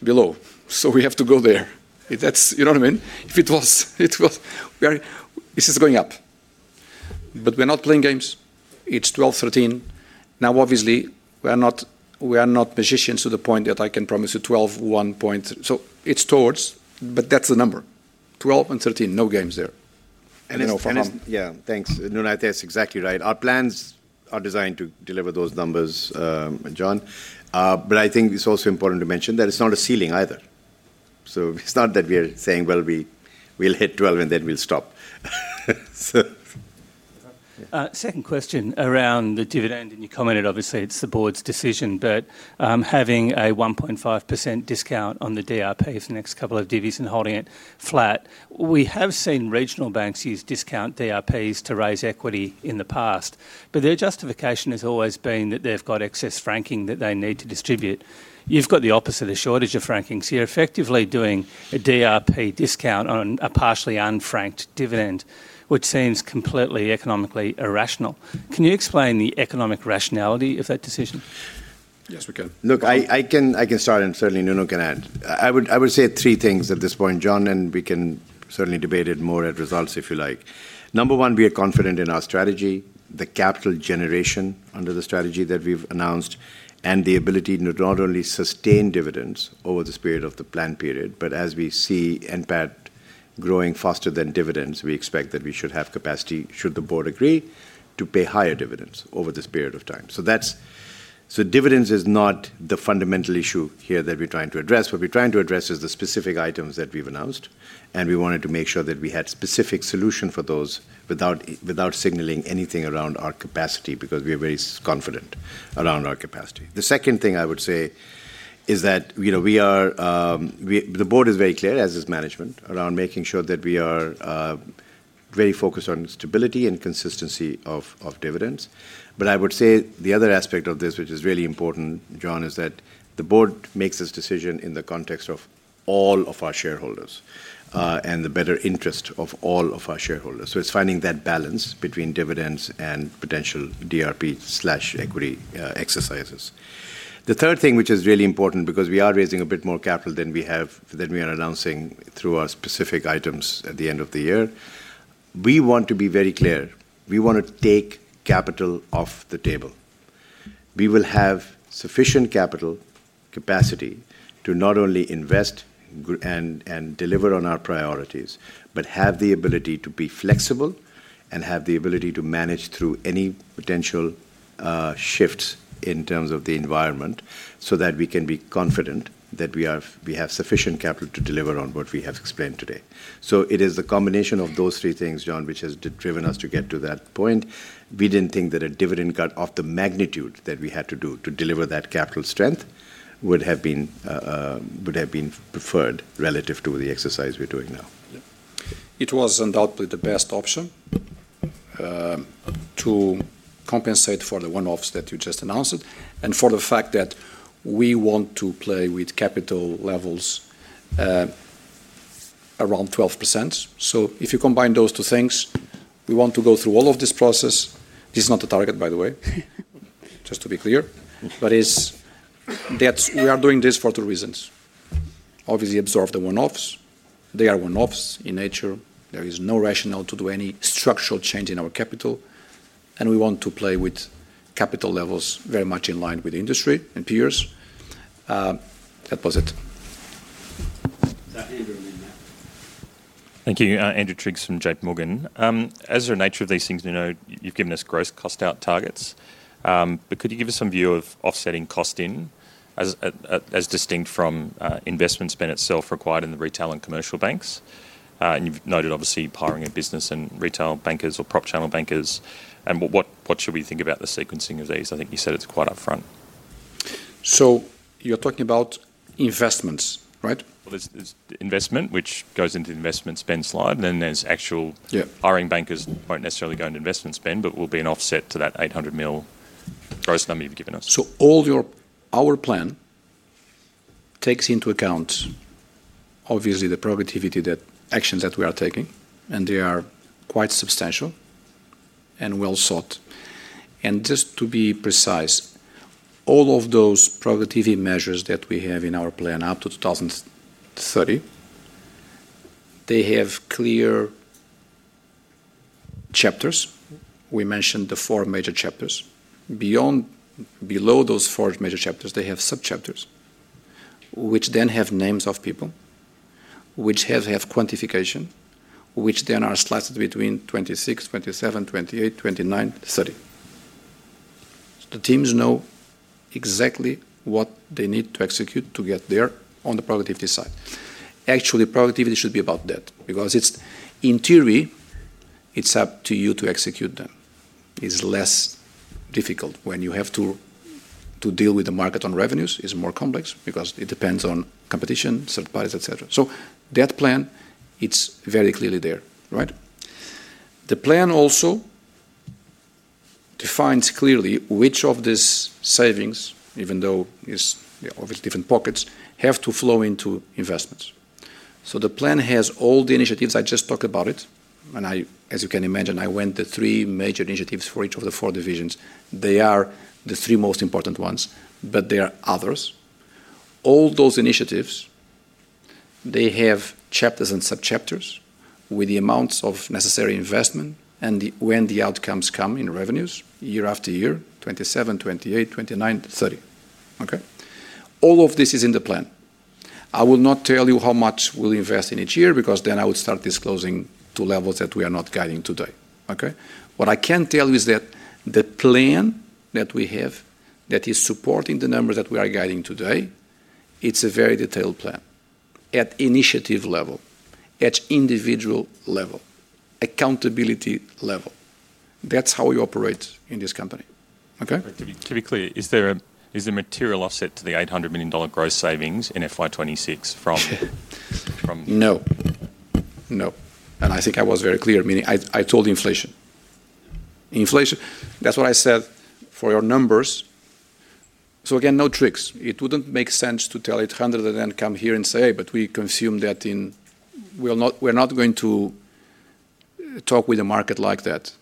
below, so we have to go there. You know what I mean? If it was, it was, we are, this is going up. We're not playing games. It's 12%, 13%. Now, obviously, we are not magicians to the point that I can promise you 12%, 1 point. It's towards, but that's the number. 12% and 13%, no games there. There are no plans. Yeah, thanks. Nuno, that's exactly right. Our plans are designed to deliver those numbers, John. I think it's also important to mention that it's not a ceiling either. It's not that we are saying we'll hit 12 and then we'll stop. Second question around the dividend, and you commented, obviously, it's the board's decision, but having a 1.5% discount on the dividend reinvestment plan for the next couple of divs and holding it flat. We have seen regional banks use discount dividend reinvestment plans to raise equity in the past, but their justification has always been that they've got excess franking that they need to distribute. You've got the opposite, a shortage of franking. You're effectively doing a dividend reinvestment plan discount on a partially unfranked dividend, which seems completely economically irrational. Can you explain the economic rationality of that decision? Yes, we can. Look, I can start and certainly Nuno can add. I would say three things at this point, John, and we can certainly debate it more at results if you like. Number one, we are confident in our strategy, the capital generation under the strategy that we've announced, and the ability to not only sustain dividends over this period of the planned period, but as we see NPAD growing faster than dividends, we expect that we should have capacity, should the board agree, to pay higher dividends over this period of time. Dividends is not the fundamental issue here that we're trying to address. What we're trying to address is the specific items that we've announced, and we wanted to make sure that we had a specific solution for those without signaling anything around our capacity because we are very confident around our capacity. The second thing I would say is that we are, the board is very clear, as is management, around making sure that we are very focused on stability and consistency of dividends. I would say the other aspect of this, which is really important, John, is that the board makes this decision in the context of all of our shareholders and the better interest of all of our shareholders. It's finding that balance between dividends and potential DRP/equity exercises. The third thing, which is really important because we are raising a bit more capital than we are announcing through our specific items at the end of the year, we want to be very clear. We want to take capital off the table. We will have sufficient capital capacity to not only invest and deliver on our priorities, but have the ability to be flexible and have the ability to manage through any potential shifts in terms of the environment so that we can be confident that we have sufficient capital to deliver on what we have explained today. It is the combination of those three things, John, which has driven us to get to that point. We didn't think that a dividend cut of the magnitude that we had to do to deliver that capital strength would have been preferred relative to the exercise we're doing now. It was undoubtedly the best option to compensate for the one-offs that you just announced and for the fact that we want to play with capital levels around 12%. If you combine those two things, we want to go through all of this process. This is not a target, by the way, just to be clear, but we are doing this for two reasons. Obviously, absorb the one-offs. They are one-offs in nature. There is no rationale to do any structural change in our capital, and we want to play with capital levels very much in line with the industry and peers. That was it. Thank you, Andrew Triggs from JPMorgan. As a nature of these things, you've given us gross cost-out targets, but could you give us some view of offsetting cost in as distinct from investment spend itself required in the retail and commercial banks? You've noted, obviously, powering a business and retail bankers or prop channel bankers, and what should we think about the sequencing of these? I think you said it's quite upfront. You're talking about investments, right? There's investment, which goes into investment spend slide, and then there's actual hiring bankers won't necessarily go into investment spend, but will be an offset to that $800 million gross number you've given us. All your plan takes into account, obviously, the productivity actions that we are taking, and they are quite substantial and well sought. Just to be precise, all of those productivity measures that we have in our plan up to 2030, they have clear chapters. We mentioned the four major chapters. Below those four major chapters, they have subchapters, which then have names of people, which have quantification, which then are sliced between 2026, 2027, 2028, 2029, 2030. The teams know exactly what they need to execute to get there on the productivity side. Actually, productivity should be about that because in theory, it's up to you to execute them. It's less difficult when you have to deal with the market on revenues. It's more complex because it depends on competition, third parties, etc. That plan, it's very clearly there, right? The plan also defines clearly which of these savings, even though it's obviously different pockets, have to flow into investments. The plan has all the initiatives I just talked about, and as you can imagine, I went to three major initiatives for each of the four divisions. They are the three most important ones, but there are others. All those initiatives, they have chapters and subchapters with the amounts of necessary investment and when the outcomes come in revenues year after year, 2027, 2028, 2029, 2030. All of this is in the plan. I will not tell you how much we'll invest in each year because then I would start disclosing two levels that we are not guiding today. What I can tell you is that the plan that we have that is supporting the numbers that we are guiding today, it's a very detailed plan at initiative level, at individual level, accountability level. That's how we operate in this company. To be clear, is there a material offset to the $800 million gross cost savings in FY 2026 from? No, no. I think I was very clear, meaning I told inflation. Inflation, that's what I said for your numbers. Again, no tricks. It wouldn't make sense to tell $800 million and then come here and say, "Hey, but we consume that in, we're not going to talk with the market like that."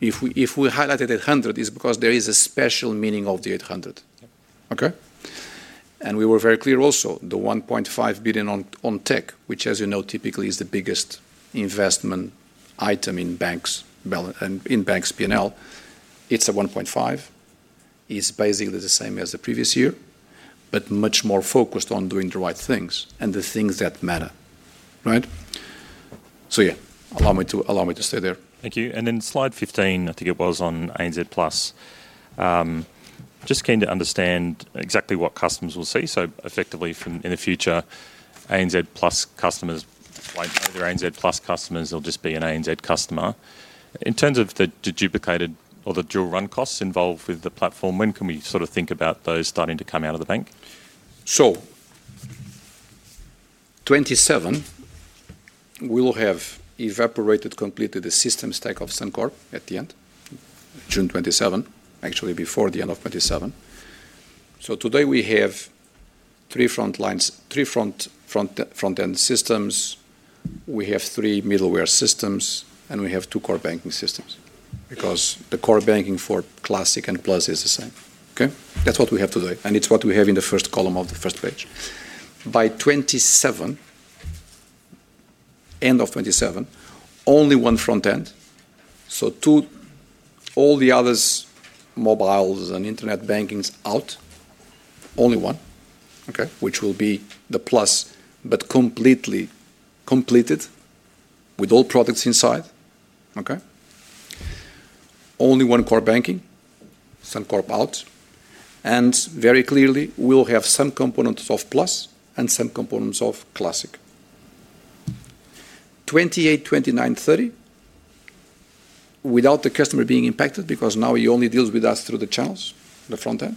If we highlighted $800 million, it's because there is a special meaning of the $800 million. Okay? We were very clear also on the $1.5 billion on tech, which as you know typically is the biggest investment item in banks' P&L. It's $1.5 billion. It's basically the same as the previous year, but much more focused on doing the right things and the things that matter. Right? Allow me to stay there. Thank you. On slide 15, I think it was on ANZ Plus. Just keen to understand exactly what customers will see. Effectively, in the future, ANZ Plus customers, they're ANZ Plus customers, they'll just be an ANZ customer. In terms of the duplicated or the dual run costs involved with the platform, when can we sort of think about those starting to come out of the bank? In 2027, we will have evaporated completely the system stack of Suncorp at the end, June 2027, actually before the end of 2027. Today we have three front-end systems, we have three middleware systems, and we have two core banking systems because the core banking for Classic and Plus is the same. That's what we have today, and it's what we have in the first column of the first page. By 2027, end of 2027, only one front-end. All the others, mobiles and internet banking's out. Only one, which will be the Plus, but completely completed with all products inside. Only one core banking, Suncorp out. Very clearly, we'll have some components of Plus and some components of Classic. In 2028, 2029, 2030, without the customer being impacted because now he only deals with us through the channels, the front-end,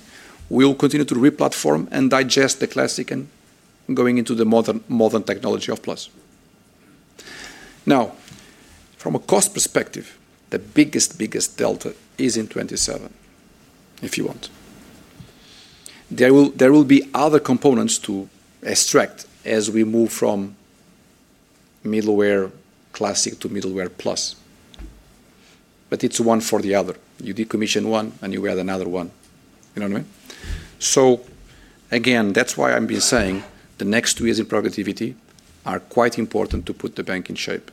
we'll continue to re-platform and digest the Classic and going into the modern technology of Plus. From a cost perspective, the biggest, biggest delta is in 2027, if you want. There will be other components to extract as we move from middleware Classic to middleware Plus. It's one for the other. You decommission one and you add another one. You know what I mean? That's why I've been saying the next two years in productivity are quite important to put the bank in shape.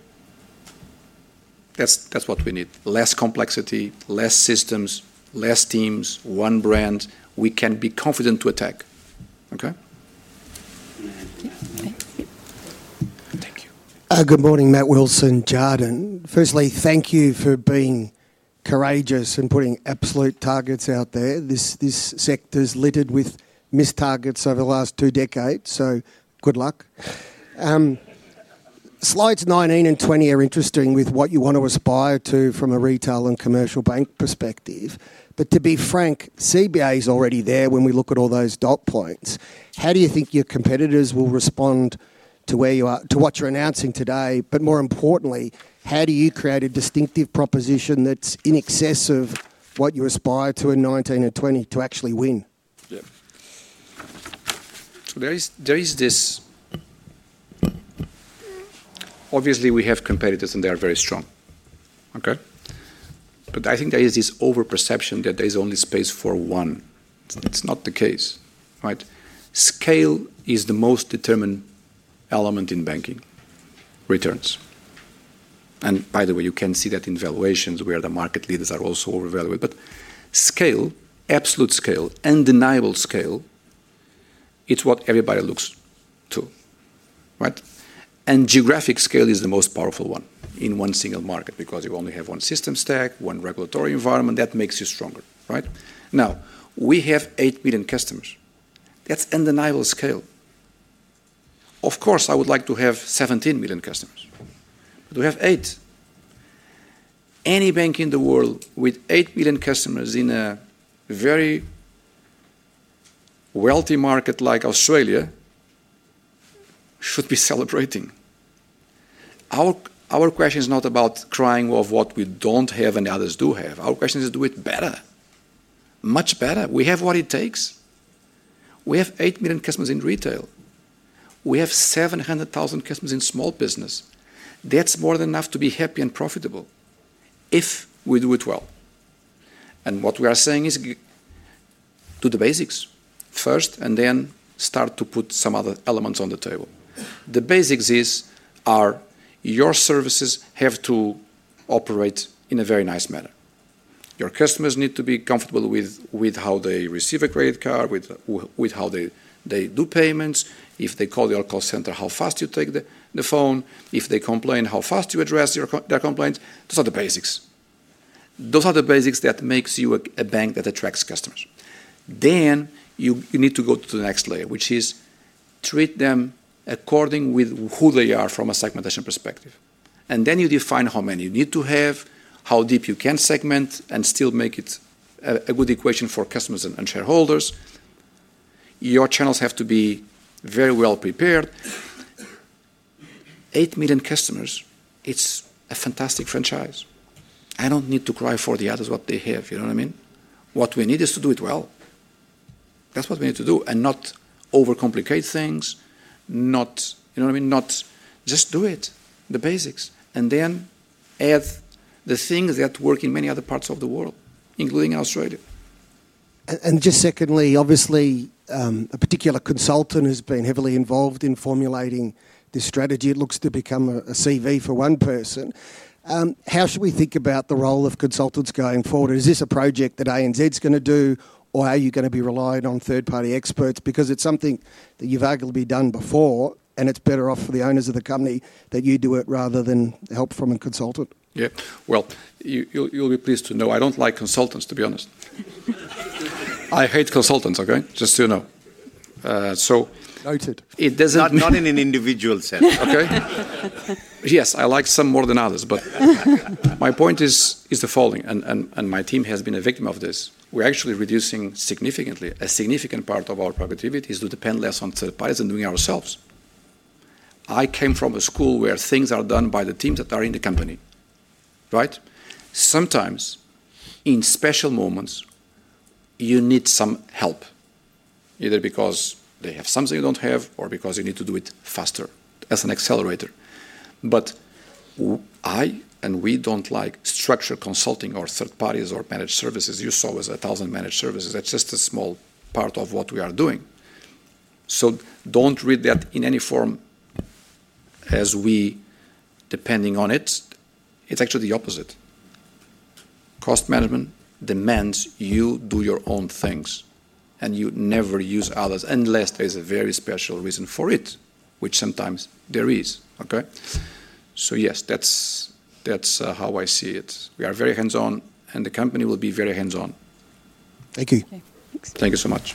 That's what we need. Less complexity, less systems, less teams, one brand, we can be confident to attack. Thank you. Good morning, Matt Wilson, Jarden. Firstly, thank you for being courageous and putting absolute targets out there. This sector's littered with missed targets over the last two decades, so good luck. Slides 19 and 20 are interesting with what you want to aspire to from a retail and commercial bank perspective. To be frank, CBA is already there when we look at all those dot points. How do you think your competitors will respond to what you're announcing today? More importantly, how do you create a distinctive proposition that's in excess of what you aspire to in 19 and 20 to actually win? There is this, obviously we have competitors and they are very strong. I think there is this overperception that there's only space for one. It's not the case. Scale is the most determined element in banking returns. By the way, you can see that in valuations where the market leaders are also overvalued. Scale, absolute scale, undeniable scale, it's what everybody looks to. Geographic scale is the most powerful one in one single market because you only have one system stack, one regulatory environment. That makes you stronger. We have 8 million customers. That's undeniable scale. Of course, I would like to have 17 million customers. We have 8. Any bank in the world with 8 million customers in a very wealthy market like Australia should be celebrating. Our question is not about crying over what we don't have and the others do have. Our question is to do it better. Much better. We have what it takes. We have 8 million customers in retail. We have 700,000 customers in small business. That's more than enough to be happy and profitable if we do it well. What we are saying is do the basics first and then start to put some other elements on the table. The basics are your services have to operate in a very nice manner. Your customers need to be comfortable with how they receive a credit card, with how they do payments. If they call your call center, how fast you take the phone. If they complain, how fast you address their complaints. Those are the basics. Those are the basics that make you a bank that attracts customers. You need to go to the next layer, which is treat them according with who they are from a segmentation perspective. Then you define how many you need to have, how deep you can segment, and still make it a good equation for customers and shareholders. Your channels have to be very well prepared. 8 million customers, it's a fantastic franchise. I don't need to cry for the others what they have. You know what I mean? What we need is to do it well. That's what we need to do and not overcomplicate things. You know what I mean? Just do it, the basics, and then add the things that work in many other parts of the world, including in Australia. Just secondly, obviously, a particular consultant has been heavily involved in formulating this strategy. It looks to become a CV for one person. How should we think about the role of consultants going forward? Is this a project that ANZ Group Holdings is going to do, or are you going to be relying on third-party experts? Because it's something that you've arguably done before, and it's better off for the owners of the company that you do it rather than help from a consultant. You'll be pleased to know I don't like consultants, to be honest. I hate consultants, okay? Just so you know. Noted. Not in an individual sense, okay? Yes, I like some more than others, but my point is the following, and my team has been a victim of this. We're actually reducing significantly. A significant part of our productivity is to depend less on third parties than doing it ourselves. I came from a school where things are done by the teams that are in the company, right? Sometimes, in special moments, you need some help, either because they have something you don't have or because you need to do it faster as an accelerator. I and we don't like structured consulting or third parties or managed services. You saw it was a thousand managed services. That's just a small part of what we are doing. Do not read that in any form as we depend on it. It's actually the opposite. Cost management demands you do your own things, and you never use others unless there is a very special reason for it, which sometimes there is, okay? Yes, that's how I see it. We are very hands-on, and the company will be very hands-on. Thank you. Thanks. Thank you so much.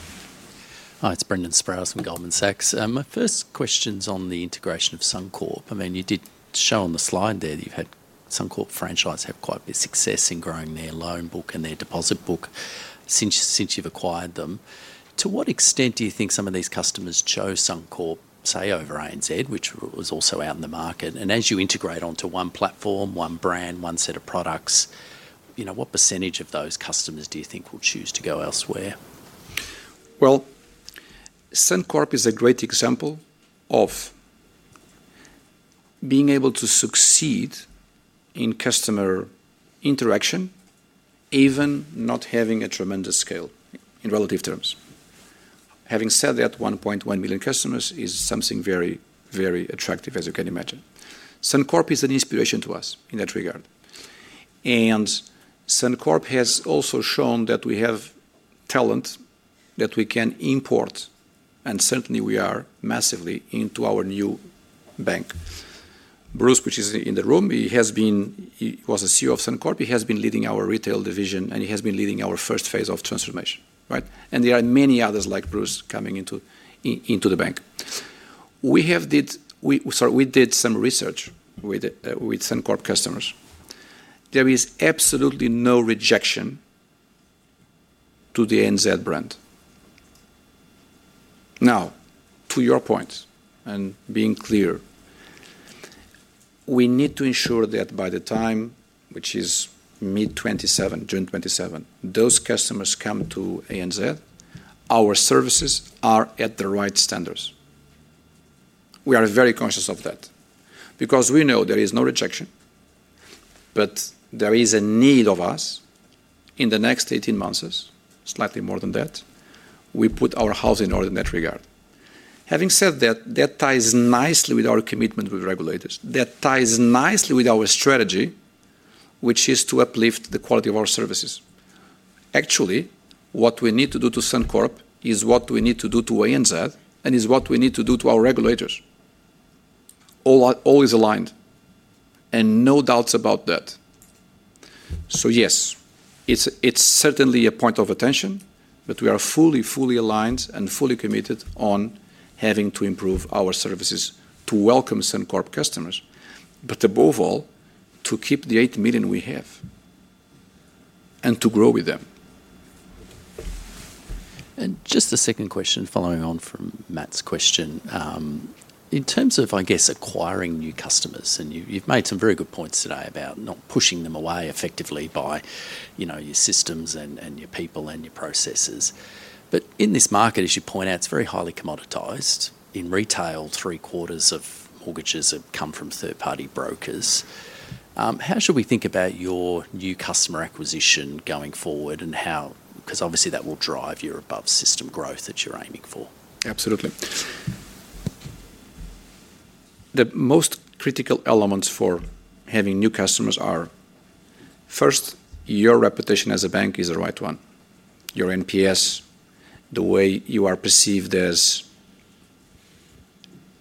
It's Brendan Sproules from Goldman Sachs. My first question is on the integration of Suncorp. You did show on the slide there that you've had the Suncorp franchise have quite a bit of success in growing their loan book and their deposit book since you've acquired them. To what extent do you think some of these customers chose Suncorp, say, over ANZ, which was also out in the market? As you integrate onto one platform, one brand, one set of products, what % of those customers do you think will choose to go elsewhere? Suncorp is a great example of being able to succeed in customer interaction, even not having a tremendous scale in relative terms. Having said that, 1.1 million customers is something very, very attractive, as you can imagine. Suncorp is an inspiration to us in that regard. Suncorp has also shown that we have talent that we can import, and certainly we are massively into our new bank. Bruce, which is in the room, he has been, he was a CEO of Suncorp. He has been leading our retail division, and he has been leading our first phase of transformation, right? There are many others like Bruce coming into the bank. We did some research with Suncorp customers. There is absolutely no rejection to the ANZ brand. Now, to your point, and being clear, we need to ensure that by the time, which is mid-2027, June 2027, those customers come to ANZ, our services are at the right standards. We are very conscious of that because we know there is no rejection, but there is a need of us in the next 18 months, slightly more than that. We put our house in order in that regard. Having said that, that ties nicely with our commitment with regulators. That ties nicely with our strategy, which is to uplift the quality of our services. Actually, what we need to do to Suncorp is what we need to do to ANZ and is what we need to do to our regulators. All is aligned, and no doubts about that. Yes, it's certainly a point of attention, but we are fully, fully aligned and fully committed on having to improve our services to welcome Suncorp customers, but above all, to keep the 8 million we have and to grow with them. Just a second question following on from Matt's question. In terms of, I guess, acquiring new customers, you've made some very good points today about not pushing them away effectively by your systems and your people and your processes. In this market, as you point out, it's very highly commoditized. In retail, three-quarters of mortgages have come from third-party brokers. How should we think about your new customer acquisition going forward and how, because obviously that will drive your above system growth that you're aiming for? Absolutely. The most critical elements for having new customers are, first, your reputation as a bank is the right one. Your NPS, the way you are perceived as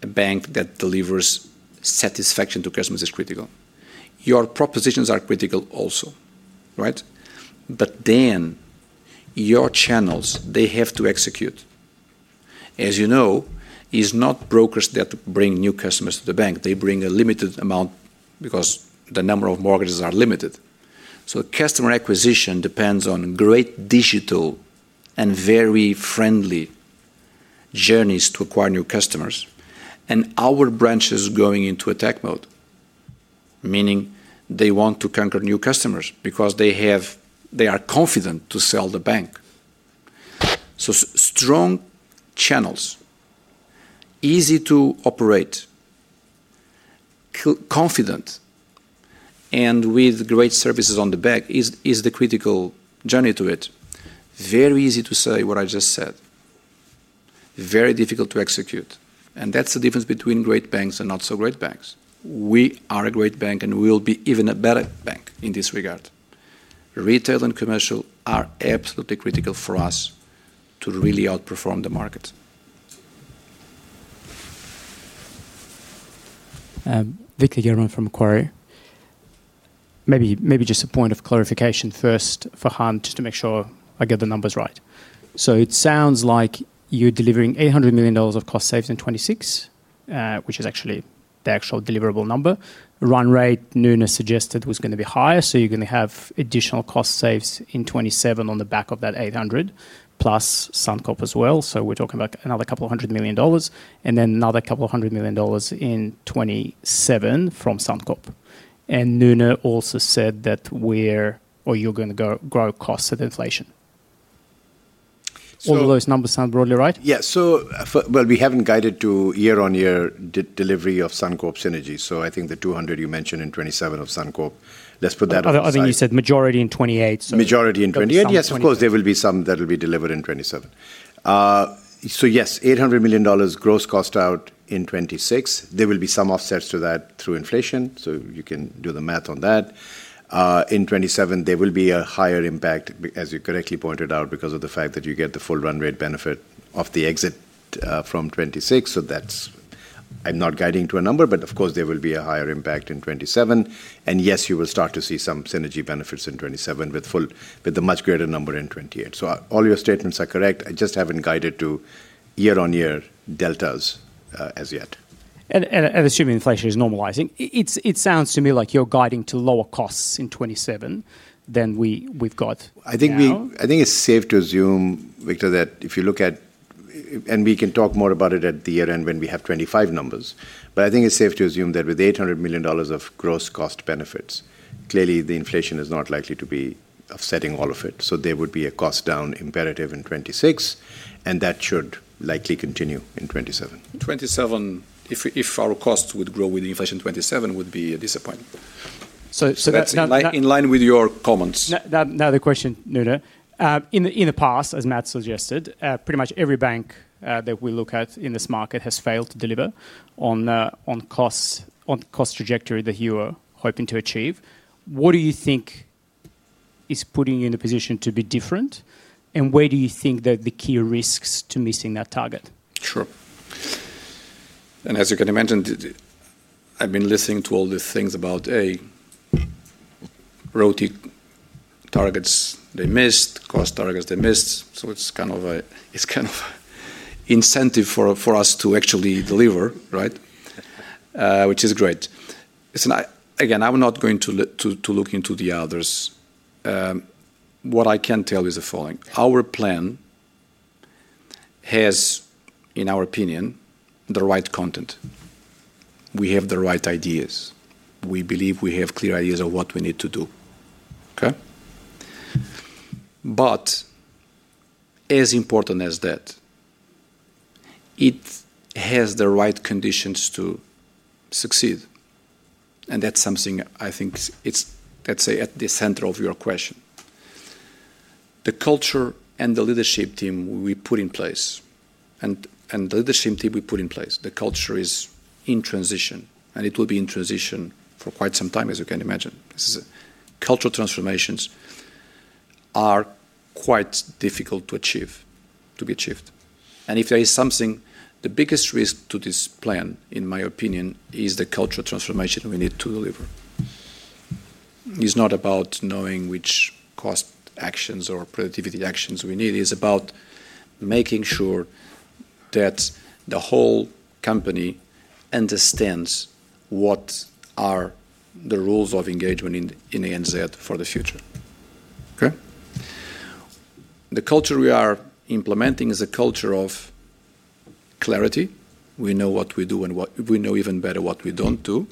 a bank that delivers satisfaction to customers, is critical. Your propositions are critical also, right? Your channels have to execute. As you know, it's not brokers that bring new customers to the bank. They bring a limited amount because the number of mortgage loans are limited. Customer acquisition depends on great digital and very friendly journeys to acquire new customers. Our branch is going into attack mode, meaning they want to conquer new customers because they are confident to sell the bank. Strong channels, easy to operate, confident, and with great services on the back is the critical journey to it. Very easy to say what I just said. Very difficult to execute. That's the difference between great banks and not so great banks. We are a great bank and we will be even a better bank in this regard. Retail and commercial are absolutely critical for us to really outperform the market. Victor German from Macquarie. Maybe just a point of clarification first for Hans, just to make sure I get the numbers right. It sounds like you're delivering $800 million of cost saves in 2026, which is actually the actual deliverable number. Run rate, Nuno suggested, was going to be higher, so you're going to have additional cost saves in 2027 on the back of that $800 million plus Suncorp as well. We're talking about another couple hundred million dollars and then another couple hundred million dollars in 2027 from Suncorp. Nuno also said that we're, or you're going to grow costs at inflation. All of those numbers sound broadly right? Yeah, we haven't guided to year-on-year delivery of Suncorp synergy. I think the 200 you mentioned in 2027 of Suncorp, let's put that on the table. I think you said majority in 2028. Majority in 2028, yes, of course, there will be some that will be delivered in 2027. Yes, $800 million gross cost out in 2026. There will be some offsets to that through inflation, so you can do the math on that. In 2027, there will be a higher impact, as you correctly pointed out, because of the fact that you get the full run rate benefit of the exit from 2026. I'm not guiding to a number, but of course there will be a higher impact in 2027. Yes, you will start to see some synergy benefits in 2027 with a much greater number in 2028. All your statements are correct. I just haven't guided to year-on-year deltas as yet. Assuming inflation is normalizing, it sounds to me like you're guiding to lower costs in 2027 than we've got. I think it's safe to assume, Victor, that if you look at, and we can talk more about it at the year-end when we have 2025 numbers, but I think it's safe to assume that with $800 million of gross cost benefits, clearly the inflation is not likely to be offsetting all of it. There would be a cost down imperative in 2026, and that should likely continue in 2027. If our costs would grow with the inflation in 2027, it would be a disappointment. That's not. In line with your comments. Now the question, Nuno. In the past, as Matt suggested, pretty much every bank that we look at in this market has failed to deliver on the cost trajectory that you are hoping to achieve. What do you think is putting you in a position to be different, and where do you think that the key risks to missing that target? Sure. As you can imagine, I've been listening to all these things about, A, rotate targets they missed, cost targets they missed. It's kind of an incentive for us to actually deliver, right? Which is great. Listen, again, I'm not going to look into the others. What I can tell you is the following. Our plan has, in our opinion, the right content. We have the right ideas. We believe we have clear ideas of what we need to do. As important as that, it has the right conditions to succeed. That's something I think is, let's say, at the center of your question. The culture and the leadership team we put in place, the culture is in transition, and it will be in transition for quite some time, as you can imagine. Cultural transformations are quite difficult to achieve. If there is something, the biggest risk to this plan, in my opinion, is the cultural transformation we need to deliver. It's not about knowing which cost actions or productivity actions we need. It's about making sure that the whole company understands what are the rules of engagement in ANZ for the future. The culture we are implementing is a culture of clarity. We know what we do and we know even better what we don't do.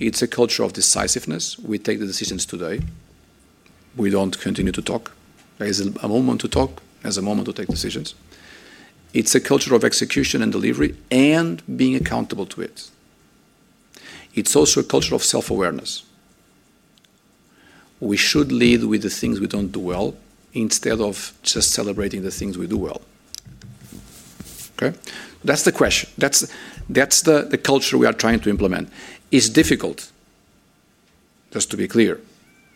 It's a culture of decisiveness. We take the decisions today. We don't continue to talk. There is a moment to talk, there's a moment to take decisions. It's a culture of execution and delivery and being accountable to it. It's also a culture of self-awareness. We should lead with the things we don't do well instead of just celebrating the things we do well. That's the question. That's the culture we are trying to implement. It's difficult, just to be clear.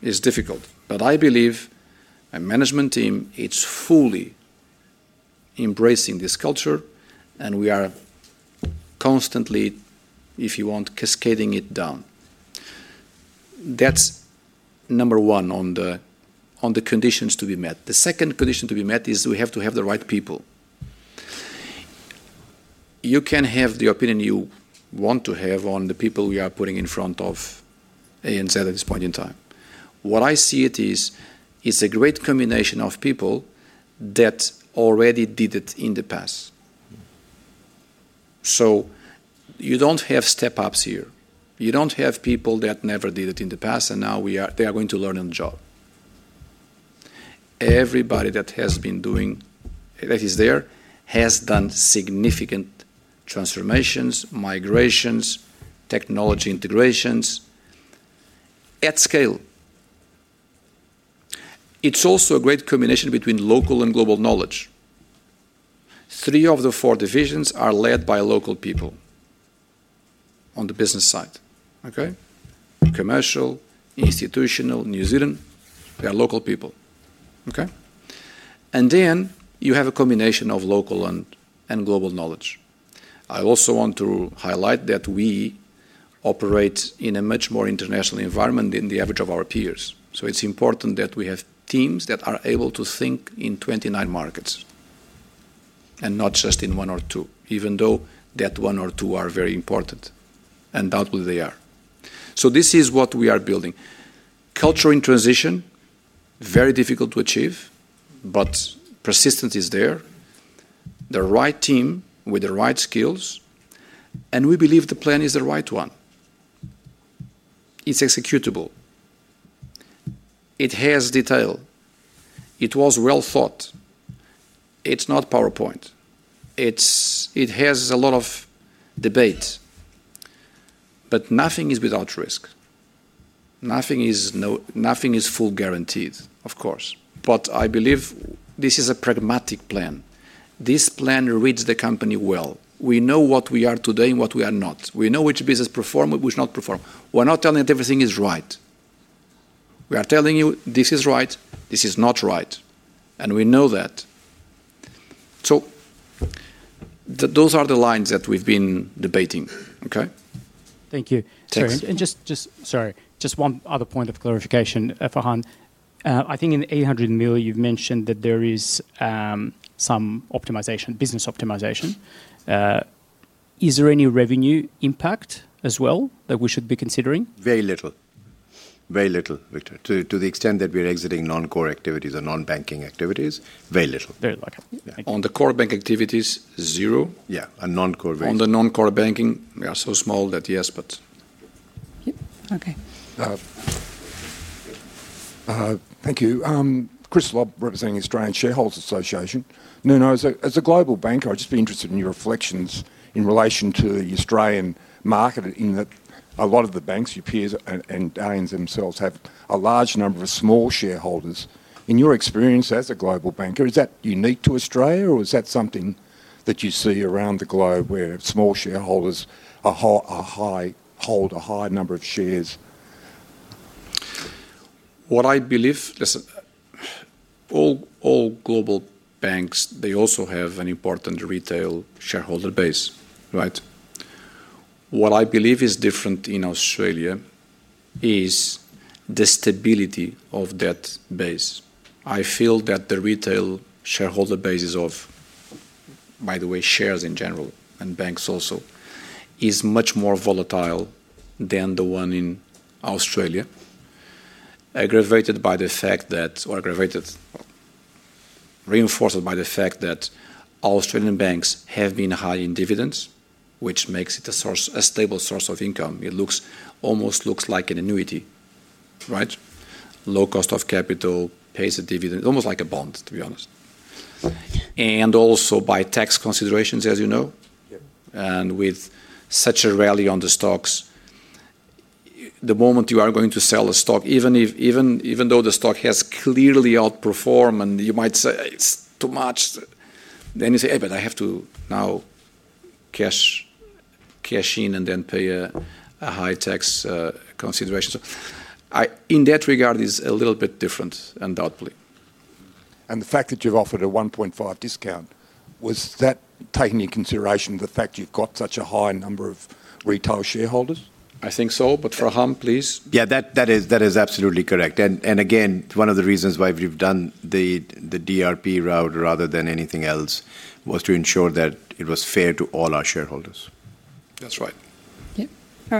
It's difficult. I believe a management team is fully embracing this culture, and we are constantly, if you want, cascading it down. That's number one on the conditions to be met. The second condition to be met is we have to have the right people. You can have the opinion you want to have on the people we are putting in front of ANZ at this point in time. What I see is, it's a great combination of people that already did it in the past. You don't have step-ups here. You don't have people that never did it in the past, and now they are going to learn on the job. Everybody that has been doing that is there has done significant transformations, migrations, technology integrations at scale. It's also a great combination between local and global knowledge. Three of the four divisions are led by local people on the business side. Commercial, institutional, New Zealand, they are local people. You have a combination of local and global knowledge. I also want to highlight that we operate in a much more international environment than the average of our peers. It's important that we have teams that are able to think in 29 markets and not just in one or two, even though that one or two are very important. They are. This is what we are building. Culture in transition, very difficult to achieve, but persistence is there. The right team with the right skills, and we believe the plan is the right one. It's executable. It has detail. It was well thought. It's not PowerPoint. It has a lot of debate. Nothing is without risk. Nothing is fully guaranteed, of course. I believe this is a pragmatic plan. This plan reads the company well. We know what we are today and what we are not. We know which business performs, which does not perform. We're not telling you that everything is right. We are telling you this is right, this is not right. We know that. Those are the lines that we've been debating. Thank you. Sorry, just one other point of clarification for Hans. I think in the $800 million, you've mentioned that there is some business optimization. Is there any revenue impact as well that we should be considering? Very little, Victor. To the extent that we're exiting non-core activities or non-banking activities, very little. Very little. On the core bank activities, zero. Yeah, on non-core banking. On the non-core banking, we are so small that yes. Thank you. Okay. Thank you. Chris Lobb representing the Australian Shareholders Association. Nuno, as a global banker, I'd just be interested in your reflections in relation to the Australian market in that a lot of the banks, your peers and ANZ themselves have a large number of small shareholders. In your experience as a global banker, is that unique to Australia or is that something that you see around the globe where small shareholders hold a high number of shares? What I believe, listen, all global banks, they also have an important retail shareholder base, right? What I believe is different in Australia is the stability of that base. I feel that the retail shareholder base is of, by the way, shares in general and banks also, is much more volatile than the one in Australia, aggravated by the fact that, or aggravated, reinforced by the fact that Australian banks have been high in dividends, which makes it a stable source of income. It almost looks like an annuity, right? Low cost of capital pays a dividend, almost like a bond, to be honest. Also by tax considerations, as you know, and with such a rally on the stocks, the moment you are going to sell a stock, even though the stock has clearly outperformed and you might say it's too much, then you say, hey, but I have to now cash in and then pay a high tax consideration. In that regard, it's a little bit different, undoubtedly. The fact that you've offered a 1.5% discount, was that taking into consideration the fact you've got such a high number of retail shareholders? I think so, but Farhan, please. That is absolutely correct. One of the reasons why we've done the dividend reinvestment plan route rather than anything else was to ensure that it was fair to all our shareholders. That's right. Yeah, all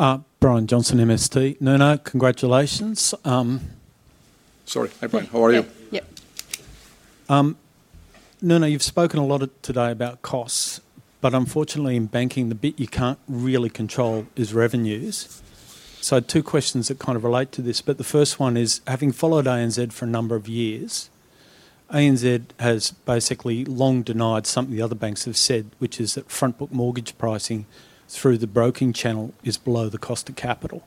right. Brian Johnson, MST. Nuno, congratulations. Sorry. Hi, Brian. How are you? Yeah. Yeah. Yeah. Nuno, you've spoken a lot today about costs, but unfortunately, in banking, the bit you can't really control is revenues. I had two questions that kind of relate to this, but the first one is, having followed ANZ for a number of years, ANZ has basically long denied something the other banks have said, which is that front book mortgage pricing through the broking channel is below the cost of capital.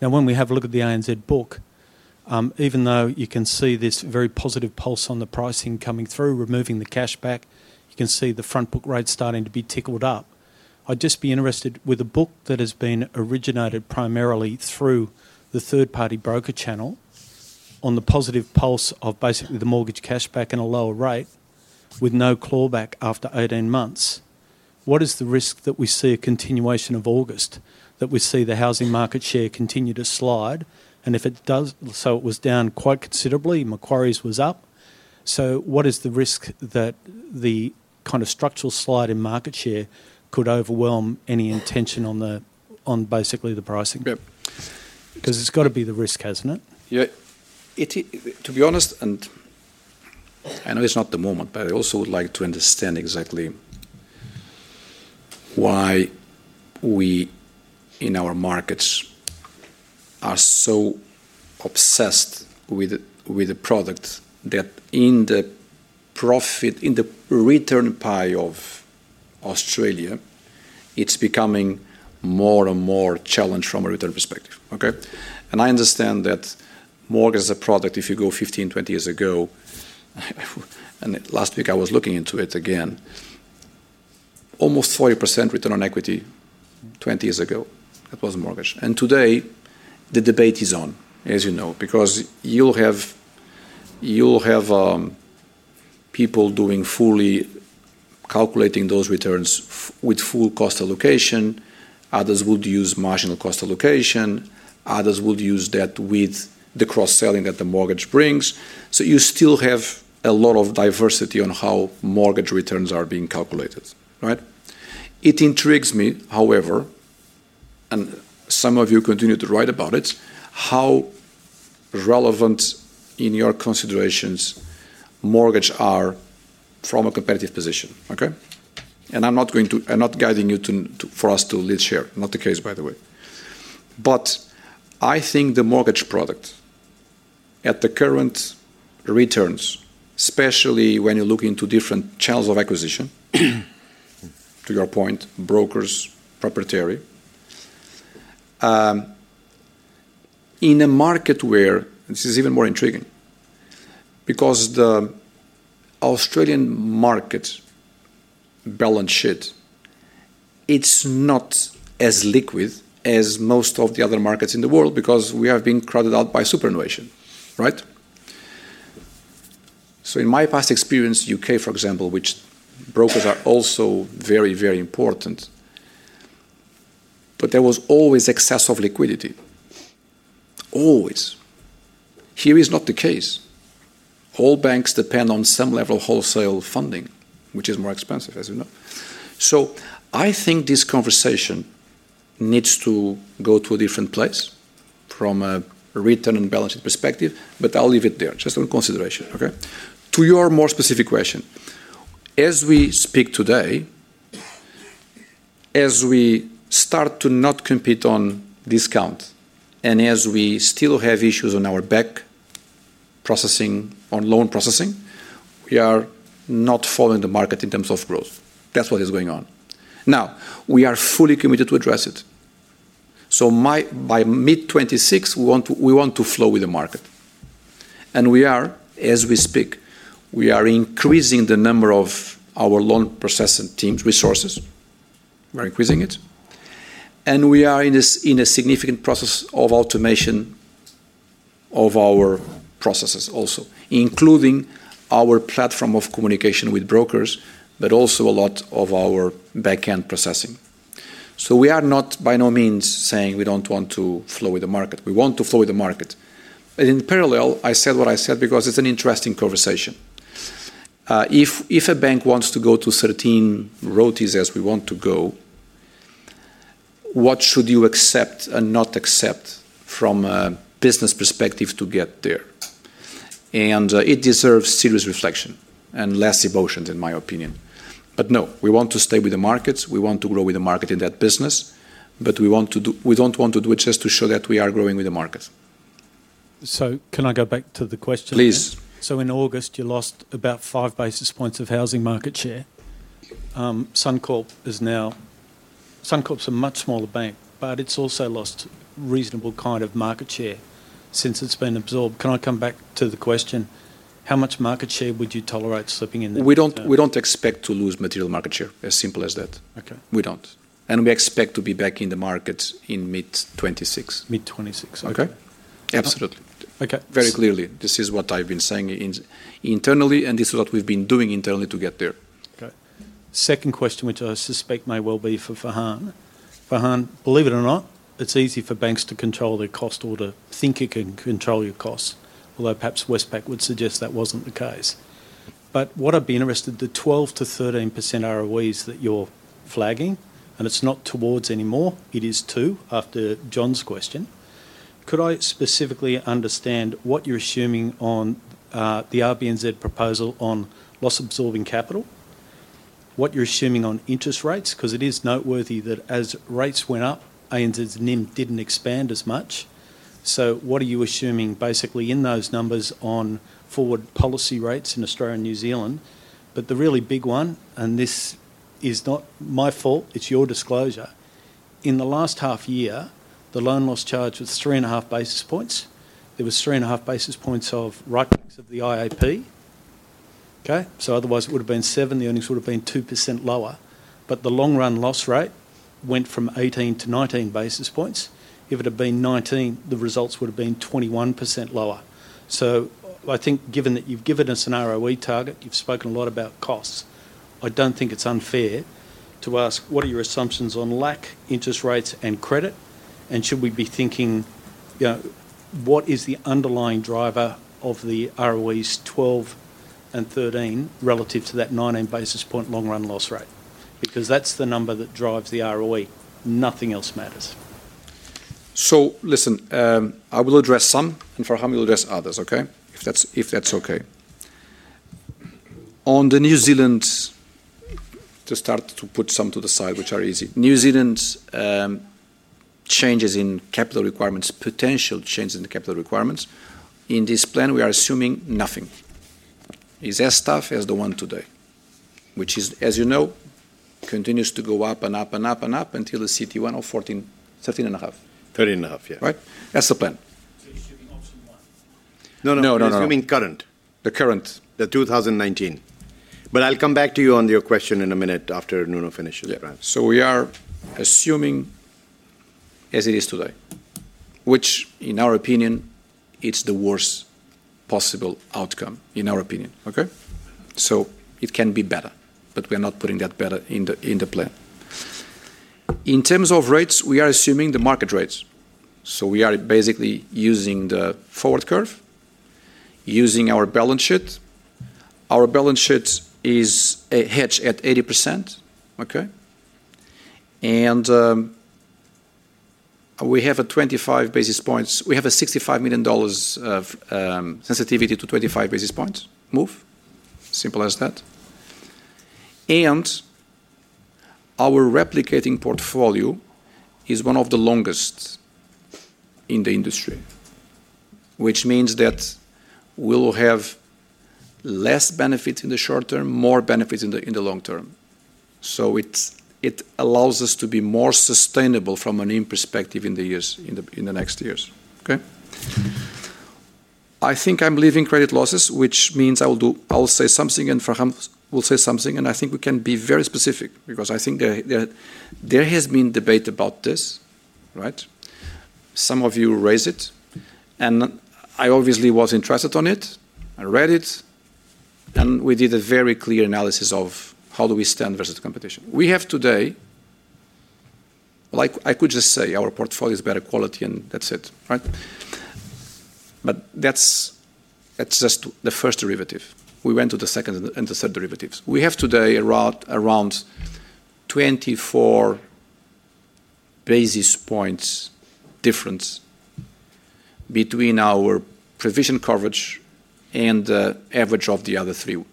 Now, when we have a look at the ANZ book, even though you can see this very positive pulse on the pricing coming through, removing the cashback, you can see the front book rate starting to be ticked up. I'd just be interested with a book that has been originated primarily through the third-party broker channel on the positive pulse of basically the mortgage cashback and a lower rate with no clawback after 18 months. What is the risk that we see a continuation of August, that we see the housing market share continue to slide? If it does, it was down quite considerably, Macquarie's was up. What is the risk that the kind of structural slide in market share could overwhelm any intention on basically the pricing? It's got to be the risk, hasn't it? Yeah. To be honest, and I know it's not the moment, but I also would like to understand exactly why we in our markets are so obsessed with a product that in the profit, in the return pie of Australia, it's becoming more and more challenged from a return perspective. I understand that mortgage is a product, if you go 15, 20 years ago, and last week I was looking into it again, almost 40% return on equity 20 years ago. That was a mortgage. Today the debate is on, as you know, because you'll have people doing fully calculating those returns with full cost allocation. Others would use marginal cost allocation. Others would use that with the cross-selling that the mortgage brings. You still have a lot of diversity on how mortgage returns are being calculated. It intrigues me, however, and some of you continue to write about it, how relevant in your considerations mortgages are from a competitive position. I'm not guiding you for us to lead share. Not the case, by the way. I think the mortgage product at the current returns, especially when you look into different channels of acquisition, to your point, brokers, proprietary, in a market where this is even more intriguing because the Australian market balance sheet, it's not as liquid as most of the other markets in the world because we have been crowded out by superannuation. In my past experience, UK, for example, which brokers are also very, very important, but there was always excess of liquidity. Always. Here is not the case. All banks depend on some level of wholesale funding, which is more expensive, as you know. I think this conversation needs to go to a different place from a return and balance sheet perspective, but I'll leave it there, just a consideration. To your more specific question, as we speak today, as we start to not compete on discount and as we still have issues on our back processing on loan processing, we are not following the market in terms of growth. That's what is going on. We are fully committed to address it. By mid-2026, we want to flow with the market. We are, as we speak, we are increasing the number of our loan processing teams, resources. We're increasing it. We are in a significant process of automation of our processes also, including our platform of communication with brokers, but also a lot of our backend processing. We are not by no means saying we don't want to flow with the market. We want to flow with the market. In parallel, I said what I said because it's an interesting conversation. If a bank wants to go to 13 ROTEs as we want to go, what should you accept and not accept from a business perspective to get there? It deserves serious reflection and less emotions, in my opinion. We want to stay with the markets. We want to grow with the market in that business. We don't want to do it just to show that we are growing with the markets. Can I go back to the question? Please. In August, you lost about five basis points of housing market share. Suncorp is now, Suncorp's a much smaller bank, but it's also lost a reasonable kind of market share since it's been absorbed. Can I come back to the question? How much market share would you tolerate slipping in there? We don't expect to lose material market share, as simple as that. Okay. We don't, and we expect to be back in the market in mid-2026. Mid-26. Okay. Yeah. Absolutely. Very clearly, this is what I've been saying internally, and this is what we've been doing internally to get there. Okay. Second question, which I suspect may well be for Farhan. Farhan, believe it or not, it's easy for banks to control their cost or to think it can control your costs, although perhaps Westpac would suggest that wasn't the case. What I'd be interested in, the 12 to 13% ROEs that you're flagging, and it's not towards anymore. It is two after John's question. Could I specifically understand what you're assuming on the RBNZ proposal on loss-absorbing capital? What you're assuming on interest rates? It is noteworthy that as rates went up, ANZ's NIM didn't expand as much. What are you assuming basically in those numbers on forward policy rates in Australia and New Zealand? The really big one, and this is not my fault, it's your disclosure. In the last half year, the loan loss charge was 3.5 basis points. There were 3.5 basis points of write-backs of the IAP. Otherwise, it would have been 7. The earnings would have been 2% lower. The long-run loss rate went from 18 to 19 basis points. If it had been 19, the results would have been 21% lower. I think given that you've given us an ROE target, you've spoken a lot about costs. I don't think it's unfair to ask what are your assumptions on lack interest rates and credit? Should we be thinking, you know, what is the underlying driver of the ROEs 12 and 13 relative to that 19 basis point long-run loss rate? That's the number that drives the ROE. Nothing else matters. I will address some, and Farhan will address others, okay? If that's okay. On the New Zealand, to start to put some to the side, which are easy. New Zealand changes in capital requirements, potential changes in the capital requirements. In this plan, we are assuming nothing. It's as tough as the one today, which is, as you know, continues to go up and up and up and up until the CET1 of 13, 13 and a half. 13.5, yeah. Right? That's the plan. You're assuming option one? No, no, no. No. You're assuming current. The current, the 2019. I'll come back to your question in a minute after Nuno finishes. Yeah, so we are assuming as it is today, which in our opinion, it's the worst possible outcome in our opinion. It can be better, but we are not putting that better in the plan. In terms of rates, we are assuming the market rates. We are basically using the forward curve, using our balance sheet. Our balance sheet is a hedge at 80%. We have a 25 basis points. We have a $65 million sensitivity to a 25 basis points move. Simple as that. Our replicating portfolio is one of the longest in the industry, which means that we will have less benefits in the short term, more benefits in the long term. It allows us to be more sustainable from an impact perspective in the next years. I think I'm leaving credit losses, which means I will say something and Farhan will say something, and I think we can be very specific because I think there has been debate about this, right? Some of you raised it, and I obviously was interested in it. I read it, and we did a very clear analysis of how do we stand versus the competition. We have today, like I could just say our portfolio is better quality and that's it, right? That's just the first derivative. We went to the second and the third derivatives. We have today around 24 basis points difference between our provision coverage and the average of the other three.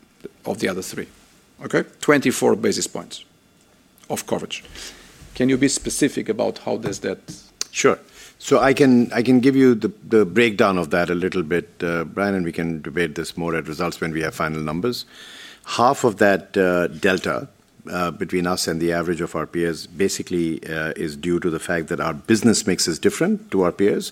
24 basis points of coverage. Can you be specific about how does that? Sure. I can give you the breakdown of that a little bit, Brian, and we can debate this more at results when we have final numbers. Half of that delta between us and the average of our peers basically is due to the fact that our business mix is different to our peers,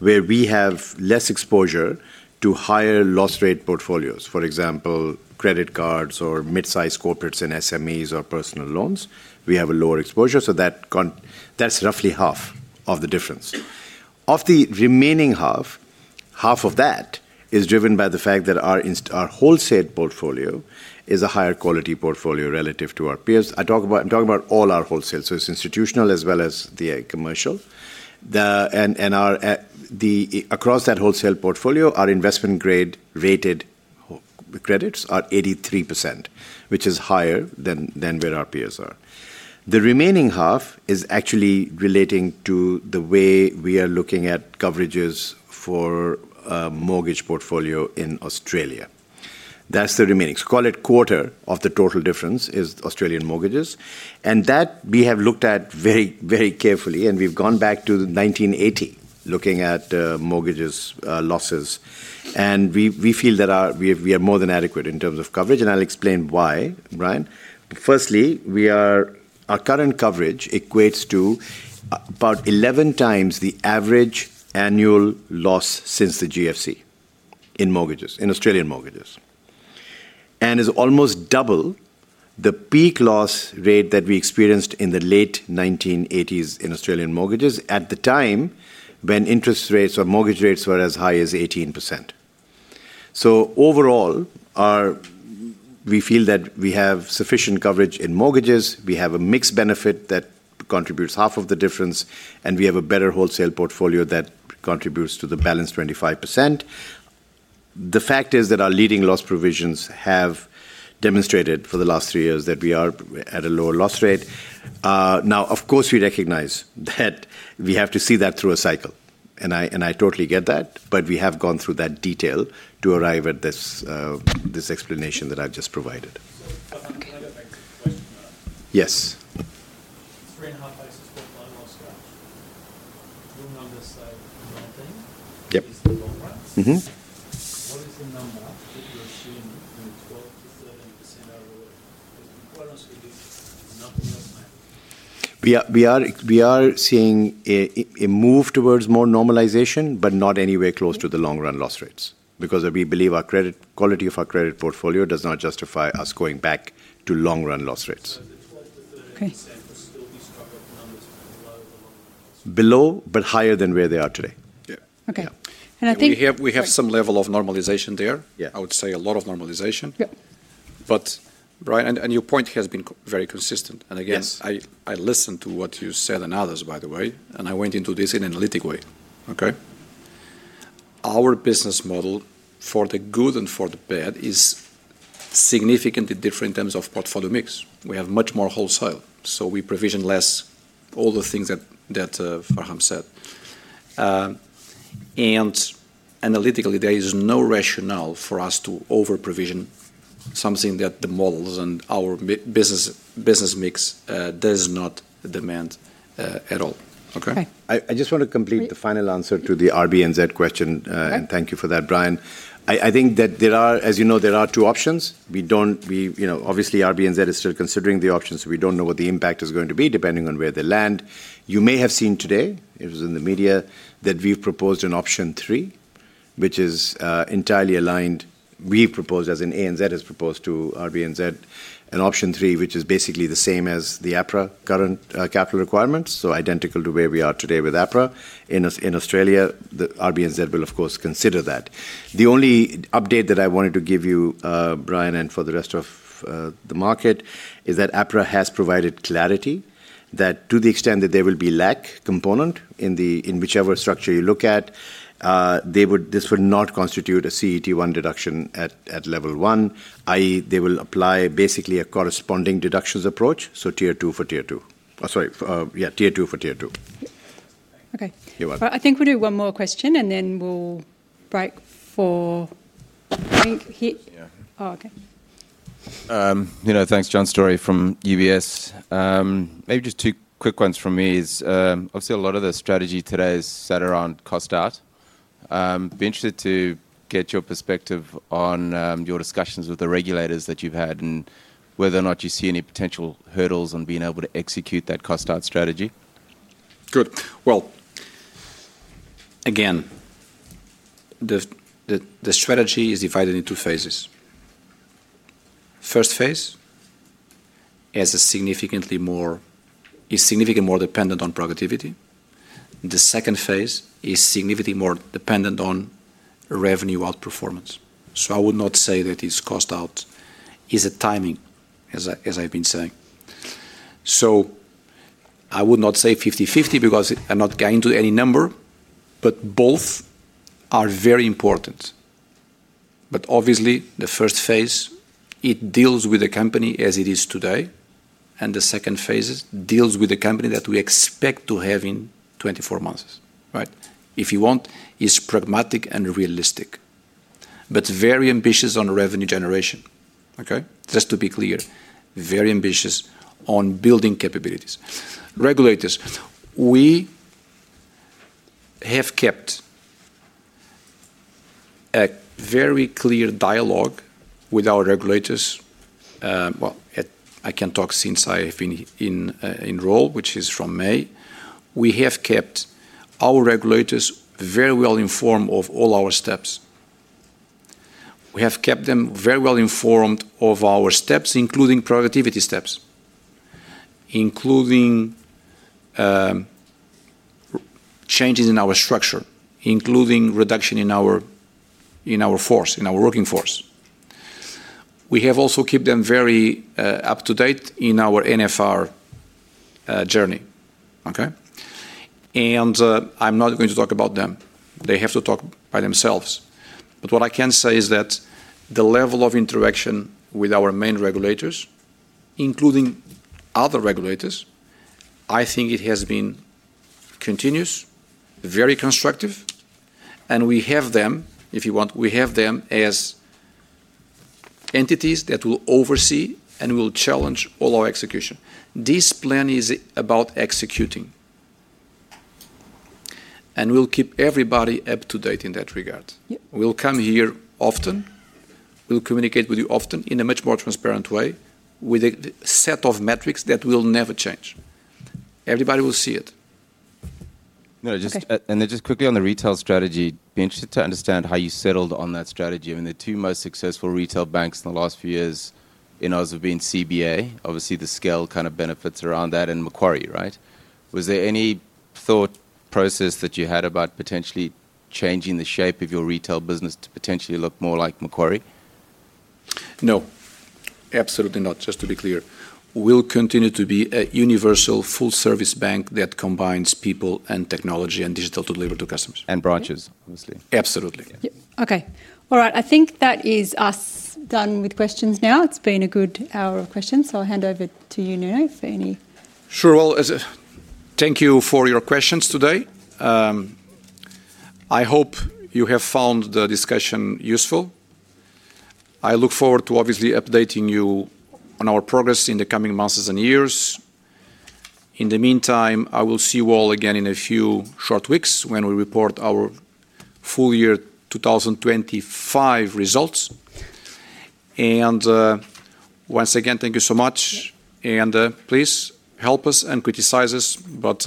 where we have less exposure to higher loss rate portfolios. For example, credit cards or mid-sized corporates and SMEs or personal loans. We have a lower exposure, so that's roughly half of the difference. Of the remaining half, half of that is driven by the fact that our wholesale portfolio is a higher quality portfolio relative to our peers. I'm talking about all our wholesale, so it's institutional as well as the commercial. Across that wholesale portfolio, our investment grade rated credits are 83%, which is higher than where our peers are. The remaining half is actually relating to the way we are looking at coverages for a mortgage portfolio in Australia. That's the remaining. Call it a quarter of the total difference is Australian mortgages. We have looked at that very, very carefully, and we've gone back to 1980, looking at mortgage losses. We feel that we are more than adequate in terms of coverage, and I'll explain why, Brian. Firstly, our current coverage equates to about 11 times the average annual loss since the GFC in mortgages, in Australian mortgages. It's almost double the peak loss rate that we experienced in the late 1980s in Australian mortgages at the time when interest rates or mortgage rates were as high as 18%. Overall, we feel that we have sufficient coverage in mortgages. We have a mixed benefit that contributes half of the difference, and we have a better wholesale portfolio that contributes to the balance 25%. The fact is that our leading loss provisions have demonstrated for the last three years that we are at a lower loss rate. Of course, we recognize that we have to see that through a cycle, and I totally get that, but we have gone through that detail to arrive at this explanation that I've just provided. Okay. Yes. Three and a half basis point loan loss charge. The numbers say the same thing. Yep. Is it the long run? Mm-hmm. What is the number that you're seeing in the 12 to 13% ROE? Because quite honestly, nothing else matters. We are seeing a move towards more normalization, not anywhere close to the long run loss rates because we believe our credit quality of our credit portfolio does not justify us going back to long run loss rates. Okay. You're still stuck at the numbers below the long run loss? Below, but higher than where they are today. Yeah. Okay. I think. We have some level of normalization there. I would say a lot of normalization. Yeah. Brian, your point has been very consistent. I listened to what you said and others, by the way, and I went into this in an analytic way. Our business model for the good and for the bad is significantly different in terms of portfolio mix. We have much more wholesale, so we provision less, all the things that Farhan said. Analytically, there is no rationale for us to over-provision something that the models and our business mix does not demand at all. I just want to complete the final answer to the RBNZ question, and thank you for that, Brian. I think that there are, as you know, two options. Obviously, RBNZ is still considering the options, so we don't know what the impact is going to be depending on where they land. You may have seen today, it was in the media, that we've proposed an option three, which is entirely aligned. We've proposed, as ANZ has proposed to RBNZ, an option three, which is basically the same as the APRA current capital requirements, so identical to where we are today with APRA in Australia. The RBNZ will, of course, consider that. The only update that I wanted to give you, Brian, and for the rest of the market is that APRA has provided clarity that to the extent that there will be a lack component in whichever structure you look at, this would not constitute a CET1 deduction at level one, i.e., they will apply basically a corresponding deductions approach, so tier two for tier two. Sorry, yeah, tier two for tier two. Okay. You're welcome. I think we'll do one more question, and then we'll break for, I think, tea. Yeah. Oh, okay. Nuno, thanks. John Storey from UBS. Maybe just two quick ones from me. Obviously, a lot of the strategy today is set around cost out. Be interested to get your perspective on your discussions with the regulators that you've had and whether or not you see any potential hurdles on being able to execute that cost out strategy. Good. The strategy is divided into two phases. The first phase is significantly more dependent on productivity. The second phase is significantly more dependent on revenue outperformance. I would not say that its cost out is a timing, as I've been saying. I would not say 50-50 because I'm not going to any number, but both are very important. Obviously, the first phase deals with the company as it is today, and the second phase deals with the company that we expect to have in 24 months. If you want, it's pragmatic and realistic, but very ambitious on revenue generation. Just to be clear, very ambitious on building capabilities. Regulators, we have kept a very clear dialogue with our regulators. I can talk since I have been in role, which is from May. We have kept our regulators very well informed of all our steps. We have kept them very well informed of our steps, including productivity steps, including changes in our structure, including reduction in our force, in our working force. We have also kept them very up to date in our NFR journey. I'm not going to talk about them. They have to talk by themselves. What I can say is that the level of interaction with our main regulators, including other regulators, I think it has been continuous, very constructive, and we have them, if you want, we have them as entities that will oversee and will challenge all our execution. This plan is about executing, and we'll keep everybody up to date in that regard. We'll come here often. We'll communicate with you often in a much more transparent way with a set of metrics that will never change. Everybody will see it. No, just quickly on the retail strategy, be interested to understand how you settled on that strategy. I mean, the two most successful retail banks in the last few years in Australia have been CBA, obviously, the scale kind of benefits around that, and Macquarie, right? Was there any thought process that you had about potentially changing the shape of your retail business to potentially look more like Macquarie? No, absolutely not, just to be clear. We'll continue to be a universal full-service bank that combines people, technology, and digital to deliver to customers. Branches, obviously. Absolutely. Okay. All right. I think that is us done with questions now. It's been a good hour of questions, so I'll hand over to you, Nuno, for any. Thank you for your questions today. I hope you have found the discussion useful. I look forward to obviously updating you on our progress in the coming months and years. In the meantime, I will see you all again in a few short weeks when we report our full year 2025 results. Once again, thank you so much, and please help us and criticize us, but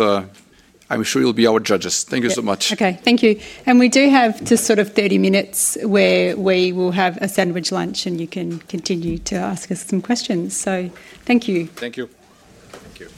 I'm sure you'll be our judges. Thank you so much. Thank you. We do have just sort of 30 minutes where we will have a sandwich lunch, and you can continue to ask us some questions. Thank you. Thank you. Thank you.